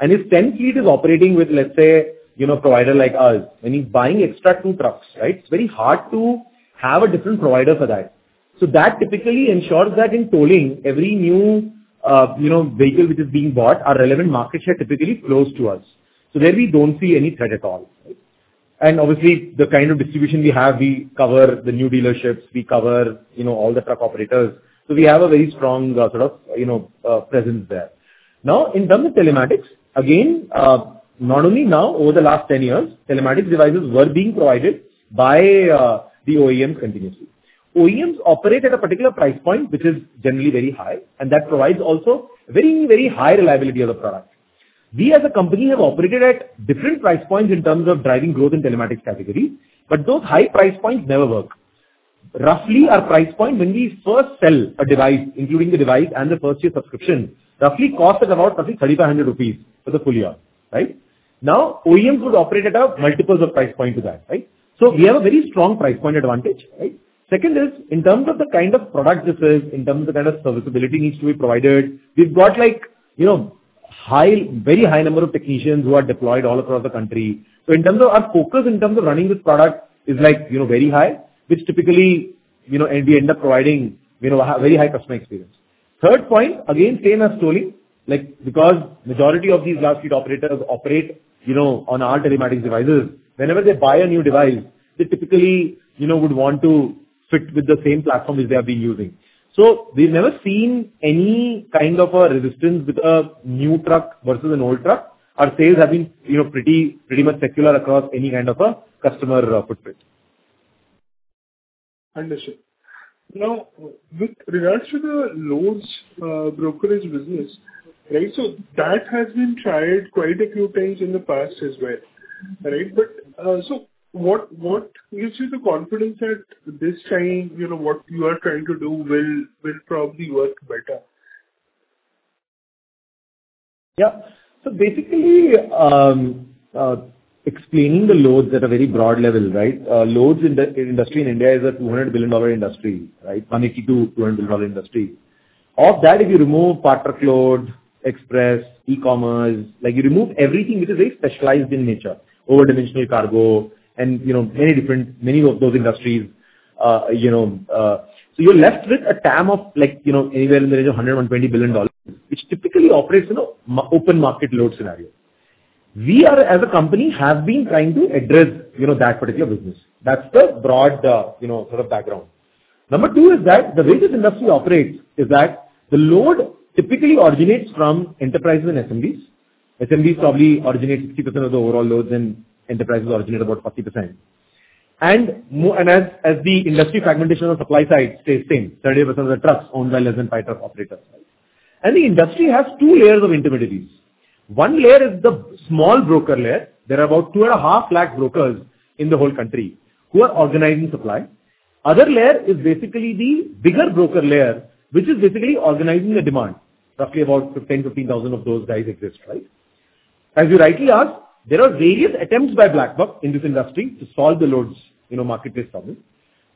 If 10 fleet is operating with, let's say, a provider like us, when he's buying extra two trucks, right, it's very hard to have a different provider for that. That typically ensures that in towing, every new vehicle which is being bought, our relevant market share typically flows to us. There we don't see any threat at all. Obviously, the kind of distribution we have, we cover the new dealerships. We cover all the truck operators. We have a very strong sort of presence there. Now, in terms of telematics, again, not only now, over the last 10 years, telematics devices were being provided by the OEMs continuously. OEMs operate at a particular price point, which is generally very high, and that provides also very, very high reliability of the product. We, as a company, have operated at different price points in terms of driving growth in telematics category, but those high price points never work. Roughly, our price point when we first sell a device, including the device and the first-year subscription, roughly costs at about 3,500 rupees for the full year, right? Now, OEMs would operate at multiples of price point to that, right? We have a very strong price point advantage, right? Second is, in terms of the kind of product this is, in terms of the kind of serviceability needs to be provided, we've got a very high number of technicians who are deployed all across the country. In terms of our focus in terms of running this product, it is very high, which typically means we end up providing a very high customer experience. Third point, again, same as towing, because the majority of these large fleet operators operate on our telematics devices, whenever they buy a new device, they typically would want to fit with the same platform which they have been using. We've never seen any kind of resistance with a new truck versus an old truck. Our sales have been pretty much secular across any kind of customer footprint. Understood. Now, with regards to the loads brokerage business, right, that has been tried quite a few times in the past as well, right? What gives you the confidence that this time what you are trying to do will probably work better? Yeah. Basically, explaining the loads at a very broad level, right? Loads in the industry in India is a $200 billion industry, $180 billion-$200 billion industry. Of that, if you remove part truck load, express, e-commerce, you remove everything which is very specialized in nature, over-dimensional cargo and many of those industries, you're left with a TAM of anywhere in the range of $100 billion-$120 billion, which typically operates in an open market load scenario. We, as a company, have been trying to address that particular business. That's the broad sort of background. Number two is that the way this industry operates is that the load typically originates from enterprises and SMBs. SMBs probably originate 60% of the overall loads, and enterprises originate about 40%. As the industry fragmentation on the supply side stays the same, 70% of the trucks are owned by less-than-5 truck operators. The industry has two layers of intermediaries. One layer is the small broker layer. There are about 250,000 brokers in the whole country who are organizing supply. The other layer is basically the bigger broker layer, which is basically organizing the demand. Roughly about 10,000-15,000 of those guys exist, right? As you rightly asked, there are various attempts by BlackBuck in this industry to solve the loads marketplace problem.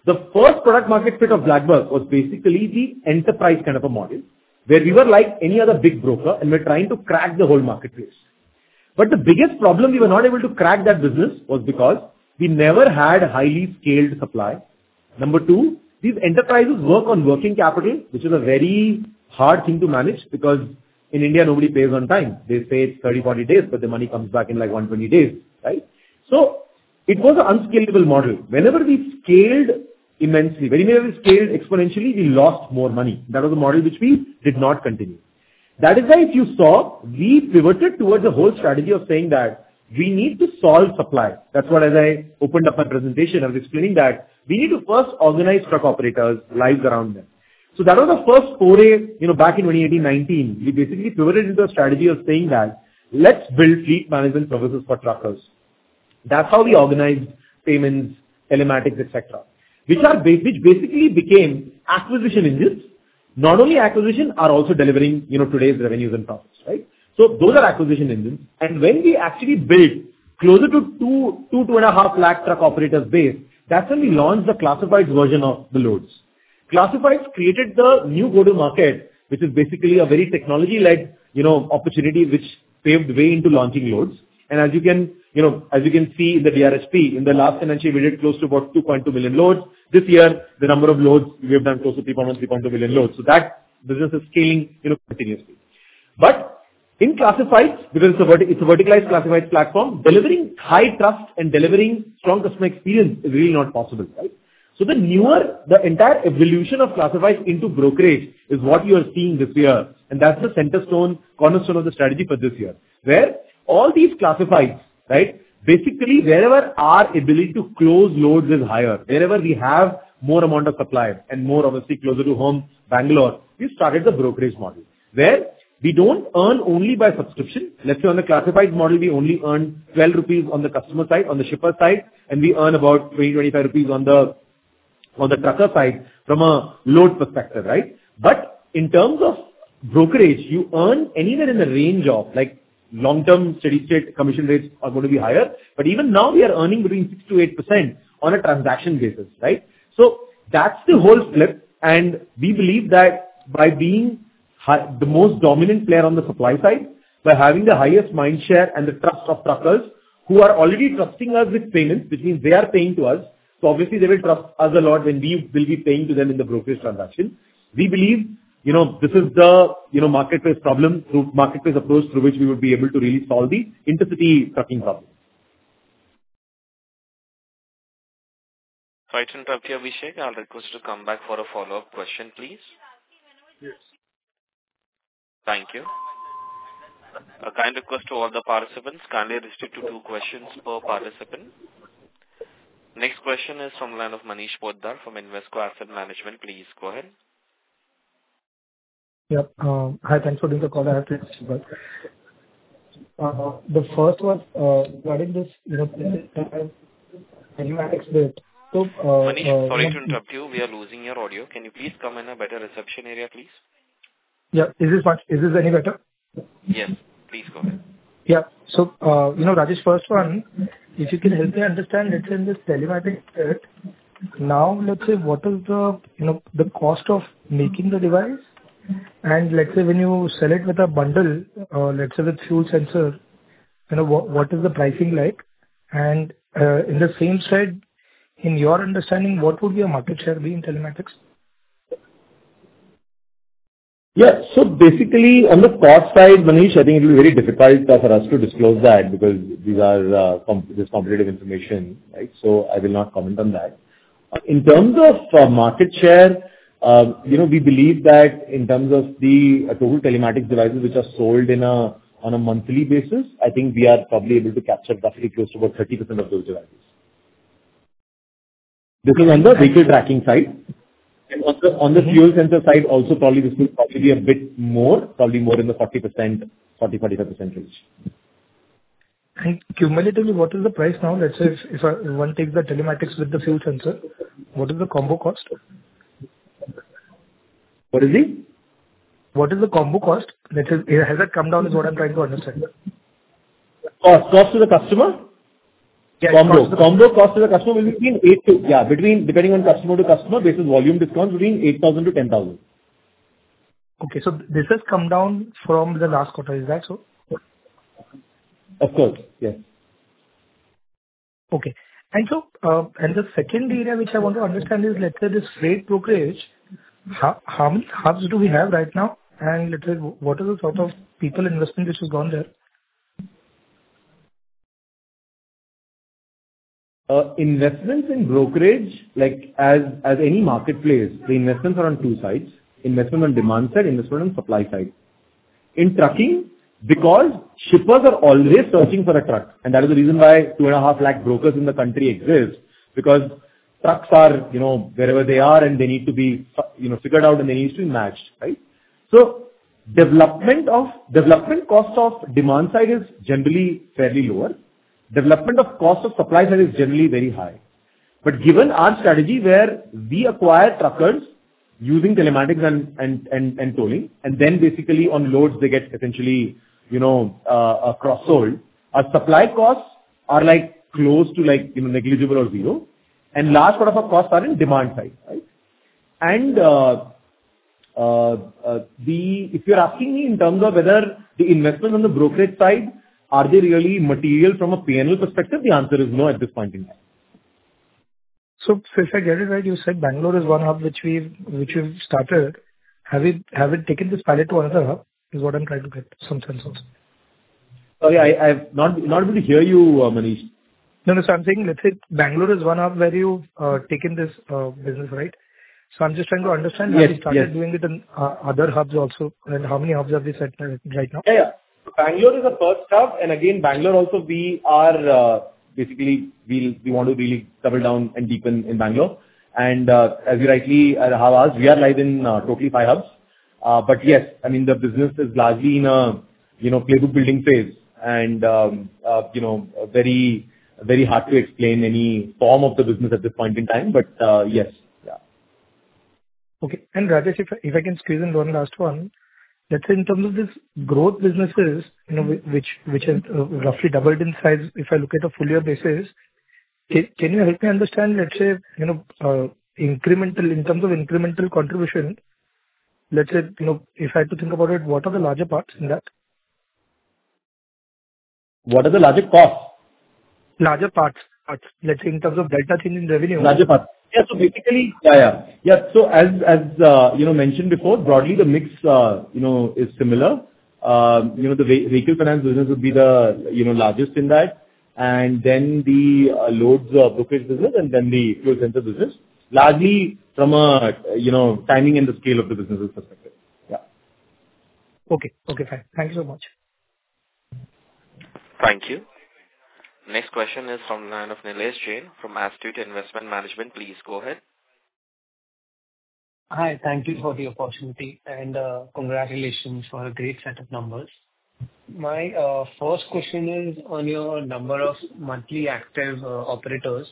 The first product-market fit of BlackBuck was basically the enterprise kind of a model where we were like any other big broker, and we were trying to crack the whole marketplace. The biggest problem we were not able to crack that business was because we never had highly scaled supply. Number two, these enterprises work on working capital, which is a very hard thing to manage because in India, nobody pays on time. They say it's 30-40 days, but the money comes back in like 120 days, right? It was an unscalable model. Whenever we scaled immensely, whenever we scaled exponentially, we lost more money. That was a model which we did not continue. That is why if you saw, we pivoted towards a whole strategy of saying that we need to solve supply. That's what, as I opened up my presentation, I was explaining that we need to first organize truck operators, lives around them. That was the first foray back in 2018, 2019. We basically pivoted into a strategy of saying that let's build fleet management services for truckers. That's how we organized payments, telematics, etc., which basically became acquisition engines. Not only acquisition, but also delivering today's revenues and profits, right? Those are acquisition engines. When we actually built closer to 200,000-250,000 truck operators base, that's when we launched the classifieds version of the loads. Classifieds created the new go-to-market, which is basically a very technology-led opportunity which paved the way into launching loads. As you can see in the DRHP, in the last financial year, we did close to about 2.2 million loads. This year, the number of loads we have done is close to 3.1 million-3.2 million loads. That business is scaling continuously. In classifieds, because it is a verticalized classifieds platform, delivering high trust and delivering strong customer experience is really not possible, right? The entire evolution of classifieds into brokerage is what you are seeing this year. That is the cornerstone of the strategy for this year, where all these classifieds, right, basically wherever our ability to close loads is higher, wherever we have more amount of supply and more obviously closer to home, Bangalore, we started the brokerage model where we do not earn only by subscription. Let's say on the classifieds model, we only earn 12 rupees on the customer side, on the shipper side, and we earn about 20-25 rupees on the trucker side from a load perspective, right? In terms of brokerage, you earn anywhere in the range of long-term steady-state commission rates are going to be higher. Even now, we are earning between 6%-8% on a transaction basis, right? That is the whole flip. We believe that by being the most dominant player on the supply side, by having the highest mind share and the trust of truckers who are already trusting us with payments, which means they are paying to us, obviously they will trust us a lot when we will be paying to them in the brokerage transaction. We believe this is the marketplace problem, marketplace approach through which we would be able to really solve the intercity trucking problem. Abhishek, I'll request you to come back for a follow-up question, please. Thank you. A kind request to all the participants. Kindly restrict to two questions per participant. Next question is from the line of Manish Bhojdal from Invesco Asset Management. Please go ahead. Yeah. Hi, thanks for doing the call. I have to interrupt. The first one regarding this telematics bit. Manish, sorry to interrupt you. We are losing your audio. Can you please come in a better reception area, please? Yeah. Is this any better? Yes. Please go ahead. Yeah. Rajesh, first one, if you can help me understand, let's say in this telematics bit, now let's say what is the cost of making the device? Let's say when you sell it with a bundle, let's say with fuel sensor, what is the pricing like? In the same side, in your understanding, what would your market share be in telematics? Yeah. So basically, on the cost side, Manish, I think it will be very difficult for us to disclose that because this is competitive information, right? I will not comment on that. In terms of market share, we believe that in terms of the total telematics devices which are sold on a monthly basis, I think we are probably able to capture roughly close to about 30% of those devices. This is on the vehicle tracking side. On the fuel sensor side, also probably this will probably be a bit more, probably more in the 40%-45% range. Cumulatively, what is the price now? Let's say if one takes the telematics with the fuel sensor, what is the combo cost? What is the? What is the combo cost? Has that come down is what I'm trying to understand. Cost to the customer? Yes. Combo cost to the customer will be between 8,000-10,000, yeah, depending on customer to customer, based on volume discounts, between 8,000-10,000. Okay. So this has come down from the last quarter. Is that so? Of course. Yes. Okay. The second area which I want to understand is, let's say this freight brokerage, how many hubs do we have right now? Let's say what is the sort of people investment which has gone there? Investments in brokerage, as any marketplace, the investments are on two sides. Investment on demand side, investment on supply side. In trucking, because shippers are always searching for a truck, and that is the reason why 250,000 brokers in the country exist, because trucks are wherever they are, and they need to be figured out, and they need to be matched, right? Development cost of demand side is generally fairly lower. Development of cost of supply side is generally very high. Given our strategy where we acquire truckers using telematics and tolling, and then basically on loads, they get essentially cross-sold, our supply costs are close to negligible or zero. Last part of our costs are in demand side, right? If you're asking me in terms of whether the investment on the brokerage side, are they really material from a P&L perspective, the answer is no at this point in time. If I get it right, you said Bangalore is one hub which we've started. Have we taken this pilot to another hub? Is what I'm trying to get some sense of. Sorry, I'm not able to hear you, Manish. No, no. I'm saying let's say Bangalore is one hub where you've taken this business, right? I'm just trying to understand how you started doing it in other hubs also. How many hubs have we set right now? Yeah. Bangalore is the first hub. We basically want to really double down and deepen in Bangalore. As you rightly have asked, we are live in totally five hubs. The business is largely in a playbook building phase. It is very hard to explain any form of the business at this point in time, but yes. Yeah. Okay. Rajesh, if I can squeeze in one last one, let's say in terms of these growth businesses, which have roughly doubled in size if I look at a full-year basis, can you help me understand, let's say, incremental in terms of incremental contribution, let's say if I had to think about it, what are the larger parts in that? What are the larger parts? Larger parts. Let's say in terms of delta change in revenue. Yeah. So basically, yeah. As you mentioned before, broadly, the mix is similar. The vehicle finance business would be the largest in that, and then the loads brokerage business, and then the fuel sensor business, largely from a timing and the scale of the business perspective. Okay. Okay. Fine. Thank you so much. Thank you. Next question is from the line of Nilesh Jain, from Astute Investment Management. Please go ahead. Hi. Thank you for the opportunity. Congratulations for a great set of numbers. My first question is on your number of monthly active operators.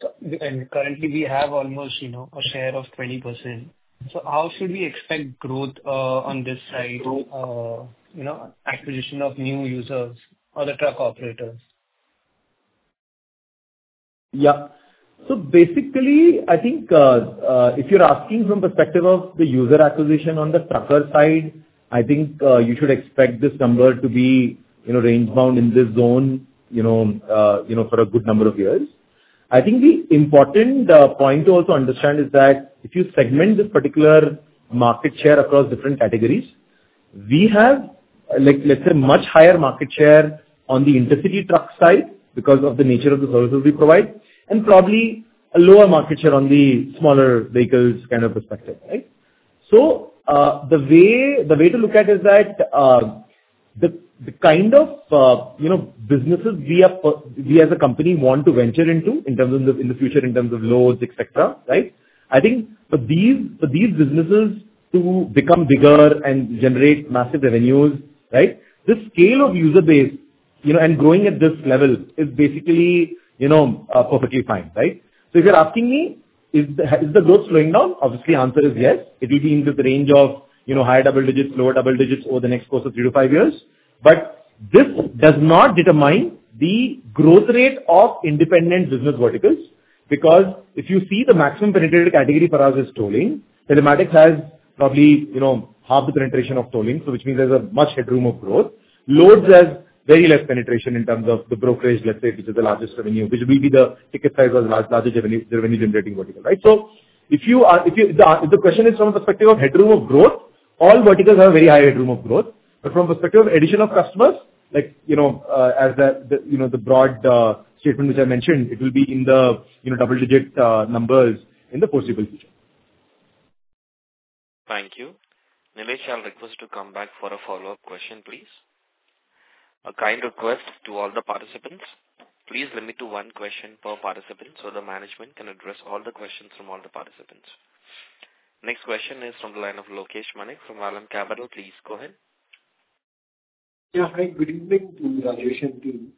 Currently, we have almost a share of 20%. How should we expect growth on this side, acquisition of new users or the truck operators? Yeah. So basically, I think if you're asking from the perspective of the user acquisition on the trucker side, I think you should expect this number to be range-bound in this zone for a good number of years. I think the important point to also understand is that if you segment this particular market share across different categories, we have, let's say, much higher market share on the intercity truck side because of the nature of the services we provide, and probably a lower market share on the smaller vehicles kind of perspective, right? The way to look at it is that the kind of businesses we as a company want to venture into in terms of the future, in terms of loads, etc., right? I think for these businesses to become bigger and generate massive revenues, right, the scale of user base and growing at this level is basically perfectly fine, right? If you're asking me, is the growth slowing down? Obviously, the answer is yes. It will be into the range of higher double digits, lower double digits over the next course of three to five years. This does not determine the growth rate of independent business verticals because if you see the maximum penetrated category for us is tolling. Telematics has probably half the penetration of tolling, which means there's much headroom of growth. Loads have very less penetration in terms of the brokerage, let's say, which is the largest revenue, which will be the ticket size of the largest revenue-generating vertical, right? If the question is from a perspective of headroom of growth, all verticals have a very high headroom of growth. From the perspective of addition of customers, as the broad statement which I mentioned, it will be in the double-digit numbers in the foreseeable future. Thank you. Nilesh, I'll request you to come back for a follow-up question, please. A kind request to all the participants. Please limit to one question per participant so the management can address all the questions from all the participants. Next question is from the line of Lokesh Manik from Vallum Capital. Please go ahead. Yeah. Hi. Good evening to Rajesh and team.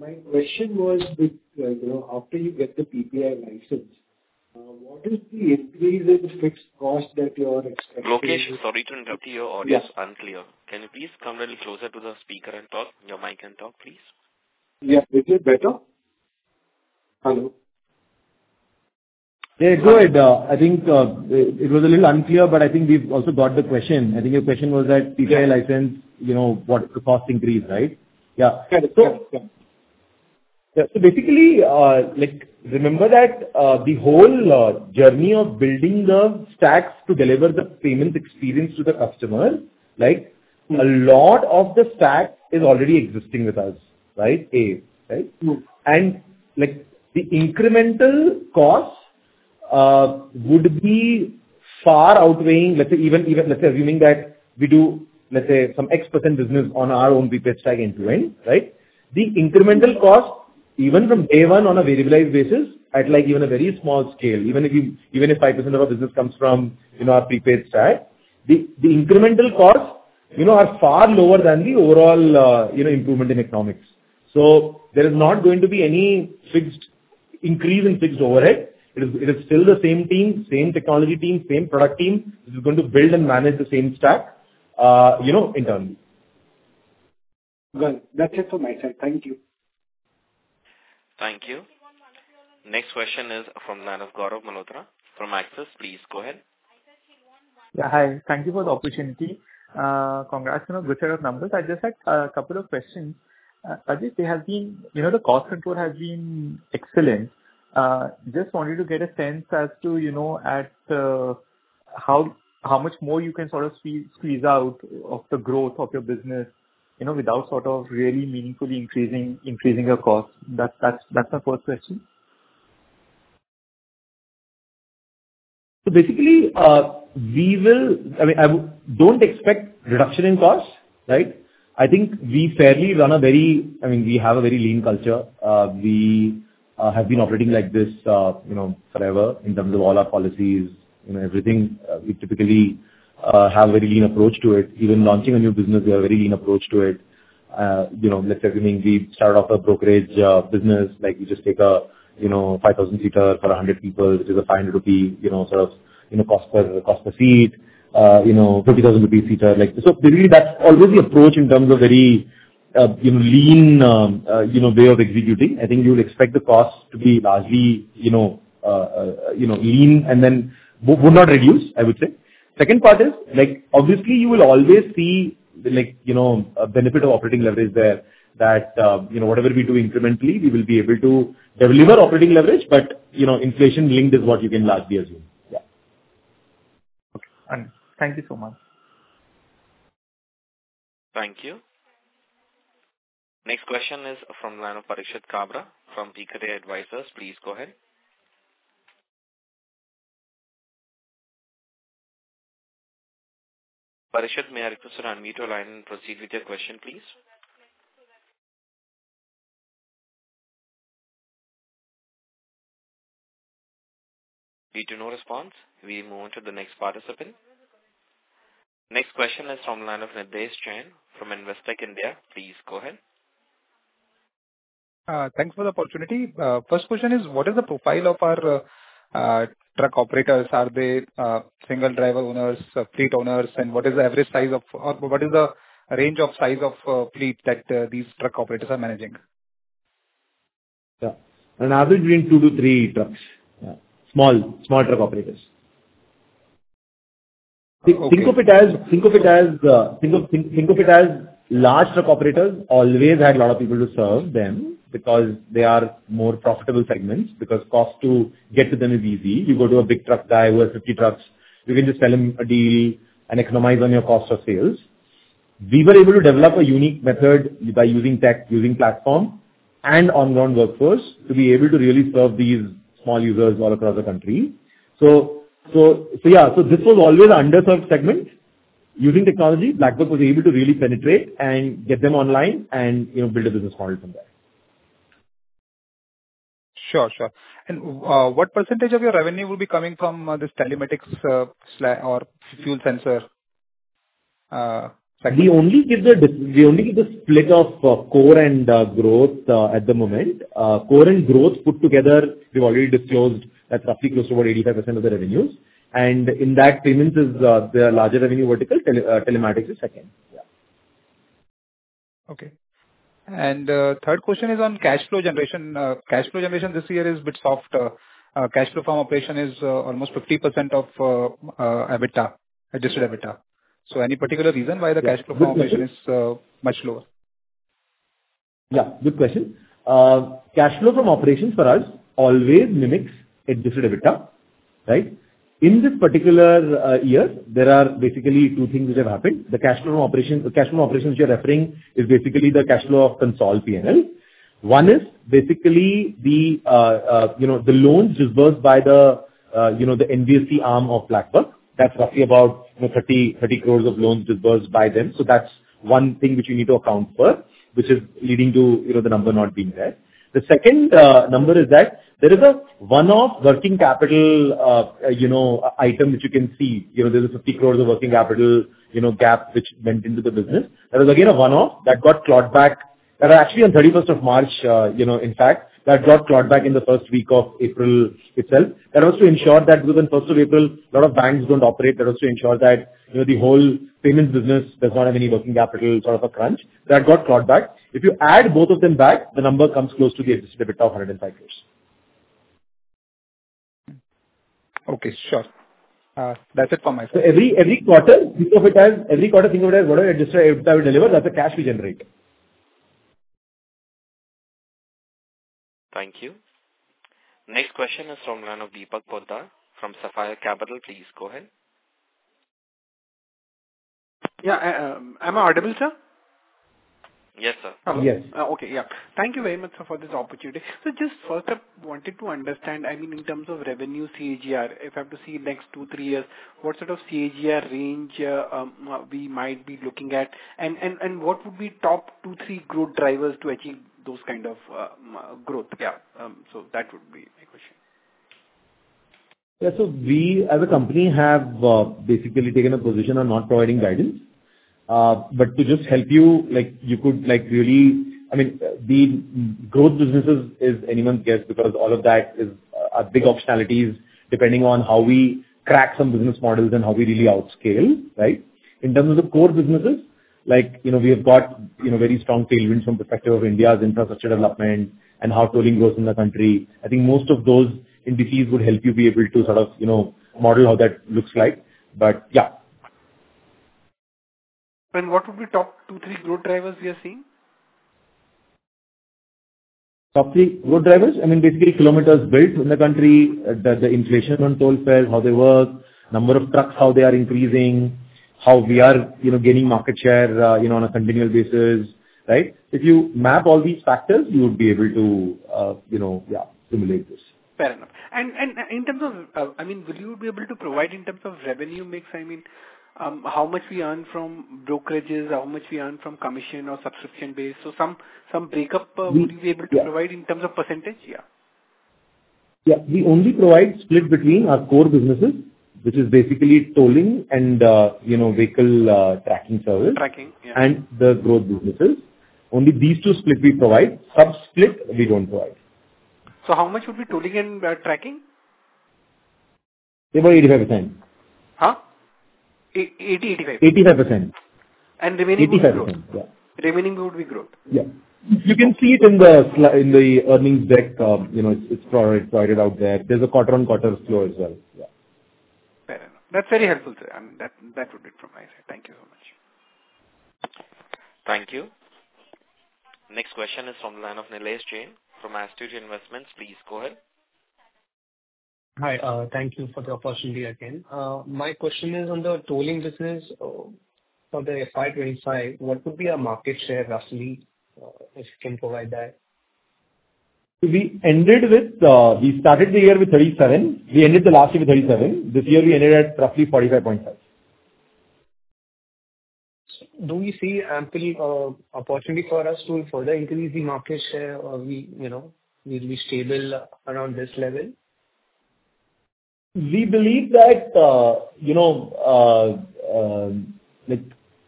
My question was, after you get the PPI license, what is the increase in fixed cost that you are expecting? Lokesh, sorry to interrupt you. Audio is unclear. Can you please come a little closer to the speaker and talk? Your mic can talk, please. Yeah. Is it better? Hello. Yeah. Good. I think it was a little unclear, but I think we've also got the question. I think your question was that PPI license, what is the cost increase, right? So basically, remember that the whole journey of building the stacks to deliver the payment experience to the customer, a lot of the stack is already existing with us, right? A, right? And the incremental cost would be far outweighing, let's say, even let's say assuming that we do, let's say, some X % business on our own prepaid stack end to end, right? The incremental cost, even from day one on a variabilized basis, at even a very small scale, even if 5% of our business comes from our prepaid stack, the incremental costs are far lower than the overall improvement in economics. There is not going to be any increase in fixed overhead. It is still the same team, same technology team, same product team that is going to build and manage the same stack internally. Good. That's it for my side. Thank you. Thank you. Next question is from the line of Gaurav Malhotra from Access. Please go ahead. Yeah. Hi. Thank you for the opportunity. Congrats on a good set of numbers. I just had a couple of questions. Rajesh, the cost control has been excellent. Just wanted to get a sense as to how much more you can sort of squeeze out of the growth of your business without sort of really meaningfully increasing your costs. That's my first question. Basically, I mean, I do not expect reduction in cost, right? I think we fairly run a very, I mean, we have a very lean culture. We have been operating like this forever in terms of all our policies. Everything, we typically have a very lean approach to it. Even launching a new business, we have a very lean approach to it. Let's say, we started off a brokerage business. We just take a 5,000 sq ft seater for 100 people, which is an 500 rupee sort of cost per seat, 50,000 rupee seater. Basically, that is always the approach in terms of very lean way of executing. I think you would expect the cost to be largely lean and then would not reduce, I would say. Second part is, obviously, you will always see a benefit of operating leverage there that whatever we do incrementally, we will be able to deliver operating leverage, but inflation-linked is what you can largely assume. Yeah. Okay. Thank you so much. Thank you. Next question is from the line of Parikshit Kabra from VKD Advisors. Please go ahead. Parikshit, may I request to unmute your line and proceed with your question, please? We hear no response. We move on to the next participant. Next question is from the line of Nidhesh Jain from Investec India. Please go ahead. Thanks for the opportunity. First question is, what is the profile of our truck operators? Are they single driver owners, fleet owners? What is the average size of, what is the range of size of fleet that these truck operators are managing? Yeah. Others are doing two to three trucks. Small truck operators. Think of it as large truck operators always had a lot of people to serve them because they are more profitable segments because cost to get to them is easy. You go to a big truck guy who has 50 trucks. You can just tell him a deal and economize on your cost of sales. We were able to develop a unique method by using tech, using platform, and on-ground workforce to be able to really serve these small users all across the country. Yeah. This was always an underserved segment. Using technology, BlackBuck was able to really penetrate and get them online and build a business model from there. Sure. Sure. What percentage of your revenue will be coming from this telematics or fuel sensor? We only get the split of core and growth at the moment. Core and growth put together, we've already disclosed that roughly close to about 85% of the revenues. In that, payments is the larger revenue vertical. Telematics is second. Yeah. Okay. Third question is on cash flow generation. Cash flow generation this year is a bit softer. Cash flow from operation is almost 50% of EBITDA, adjusted EBITDA. Any particular reason why the cash flow from operation is much lower? Yeah. Good question. Cash flow from operations for us always mimics adjusted EBITDA, right? In this particular year, there are basically two things which have happened. The cash flow from operations which you're referring to is basically the cash flow of consol P&L. One is basically the loans disbursed by the NBFC arm of BlackBuck. That's roughly about 30 crore of loans disbursed by them. So that's one thing which you need to account for, which is leading to the number not being there. The second number is that there is a one-off working capital item which you can see. There's 50 crore of working capital gap which went into the business. There was again a one-off that got clawed back. That was actually on 31st of March, in fact. That got clawed back in the first week of April itself. That was to ensure that within 1st of April, a lot of banks don't operate. That was to ensure that the whole payment business does not have any working capital sort of a crunch. That got clawed back. If you add both of them back, the number comes close to the adjusted EBITDA of 105 crore. Okay. Sure. That's it for my side. Every quarter, think of it as every quarter, think of it as whatever adjusted EBITDA we deliver, that's the cash we generate. Thank you. Next question is from the line of Deepak Bhojdal from Sapphire Capital. Please go ahead. Yeah. I'm Audio able Sir. Yes, sir. Yes. Okay. Yeah. Thank you very much for this opportunity. Just first, I wanted to understand, I mean, in terms of revenue CAGR, if I have to see next two, three years, what sort of CAGR range we might be looking at? What would be top two, three growth drivers to achieve those kind of growth? Yeah. That would be my question. Yeah. So we, as a company, have basically taken a position on not providing guidance. To just help you, you could really, I mean, the growth businesses is anyone's guess because all of that is big optionalities depending on how we crack some business models and how we really outscale, right? In terms of the core businesses, we have got very strong tailwinds from the perspective of India's infrastructure development and how tolling grows in the country. I think most of those indices would help you be able to sort of model how that looks like. Yeah. What would be top two, three growth drivers you're seeing? Top three growth drivers? I mean, basically, kilometers built in the country, the inflation on toll fares, how they work, number of trucks, how they are increasing, how we are gaining market share on a continual basis, right? If you map all these factors, you would be able to, yeah, simulate this. Fair enough. In terms of, I mean, would you be able to provide in terms of revenue mix? I mean, how much we earn from brokerages, how much we earn from commission or subscription-based? Some breakup, would you be able to provide in terms of percentage? Yeah. Yeah. We only provide split between our core businesses, which is basically tolling and vehicle tracking service. Tracking. Yeah. The growth businesses. Only these two split we provide. Sub-split, we do not provide. How much would be towing and tracking? About 85%. Huh? 80%, 85%? 85%. Remaining would be growth. Yeah. You can see it in the earnings deck. It's provided out there. There's a quarter-on-quarter flow as well. Yeah. Fair enough. That's very helpful. I mean, that would be it from my side. Thank you so much. Thank you. Next question is from the line of Nilesh Jain from Astute Investment Management. Please go ahead. Hi. Thank you for the opportunity again. My question is on the tolling business for the FY 2025. What would be our market share roughly if you can provide that? We ended with we started the year with 37. We ended the last year with 37. This year, we ended at roughly 45.5. Do we see ample opportunity for us to further increase the market share, or will we stay around this level? We believe that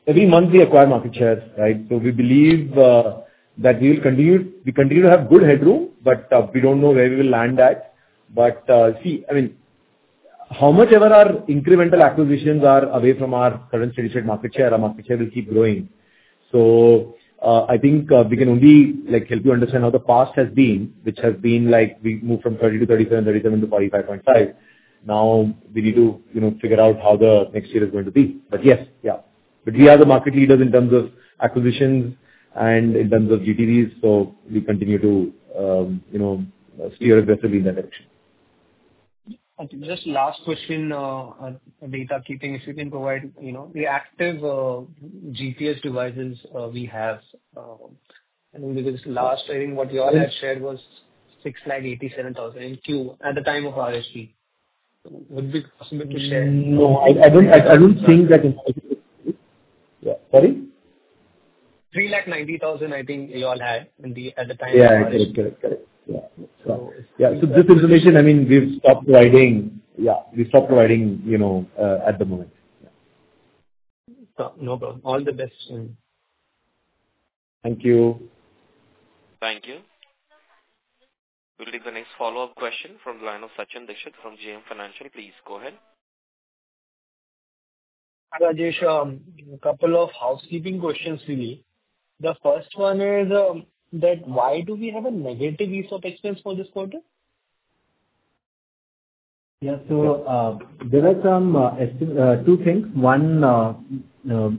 every month we acquire market shares, right? We believe that we will continue to have good headroom, but we do not know where we will land at. See, I mean, how much ever our incremental acquisitions are away from our current steady-state market share, our market share will keep growing. I think we can only help you understand how the past has been, which has been like we moved from 30-37, 37-45.5. Now we need to figure out how the next year is going to be. Yes, yeah. We are the market leaders in terms of acquisitions and in terms of GTVs. We continue to steer aggressively in that direction. Just last question, data keeping, if you can provide the active GPS devices we have. I mean, because last, I think what you all had shared was 687,000 in Q at the time of RSV. Would it be possible to share? No, I don't think that. Yeah. Sorry? 390,000, I think you all had at the time of RSV. Yeah. Got it. Got it. Yeah. This information, I mean, we've stopped providing. Yeah. We stopped providing at the moment. Yeah. No problem. All the best. Thank you. Thank you. We'll take the next follow-up question from the line of Sachin Dixit from JM Financial. Please go ahead. Hi, Rajesh. A couple of housekeeping questions, really. The first one is that why do we have a negative use of expense for this quarter? Yeah. There are two things. One,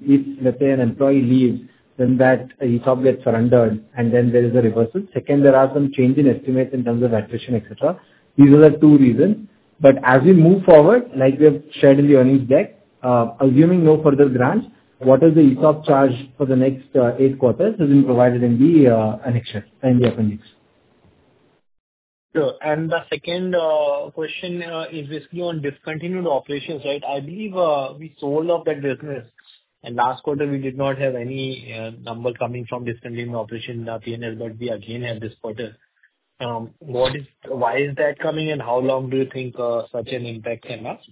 if, let's say, an employee leaves, then that ESOP gets surrendered, and then there is a reversal. Second, there are some changes in estimates in terms of attrition, etc. These are the two reasons. As we move forward, like we have shared in the earnings deck, assuming no further grants, what is the ESOP charge for the next eight quarters has been provided in the annex and the appendix. Sure. The second question is basically on discontinued operations, right? I believe we sold off that business. Last quarter, we did not have any number coming from discontinued operation P&L, but we again had this quarter. Why is that coming, and how long do you think such an impact can last?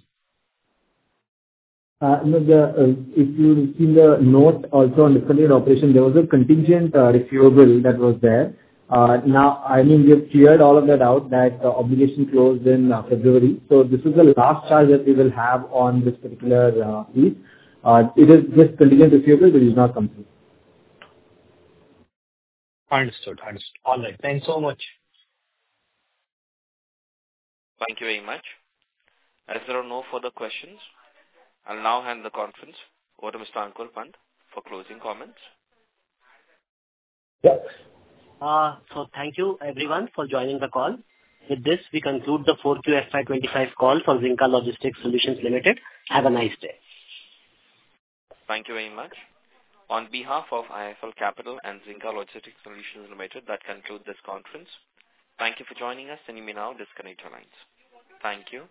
If you see the note also on discontinued operation, there was a contingent refuel bill that was there. Now, I mean, we have cleared all of that out, that obligation closed in February. This is the last charge that we will have on this particular fee. It is just contingent refuel bill, which is not complete. Understood. Understood. All right. Thanks so much. Thank you very much. As there are no further questions, I'll now hand the conference over to Mr. Ankur Pant for closing comments. Yeah. So thank you, everyone, for joining the call. With this, we conclude the 4Q FY 2025 call for BlackBuck. Have a nice day. Thank you very much. On behalf of IFL Capital and Zinka Logistics Solutions Limited, that concludes this conference. Thank you for joining us. You may now disconnect your lines. Thank you.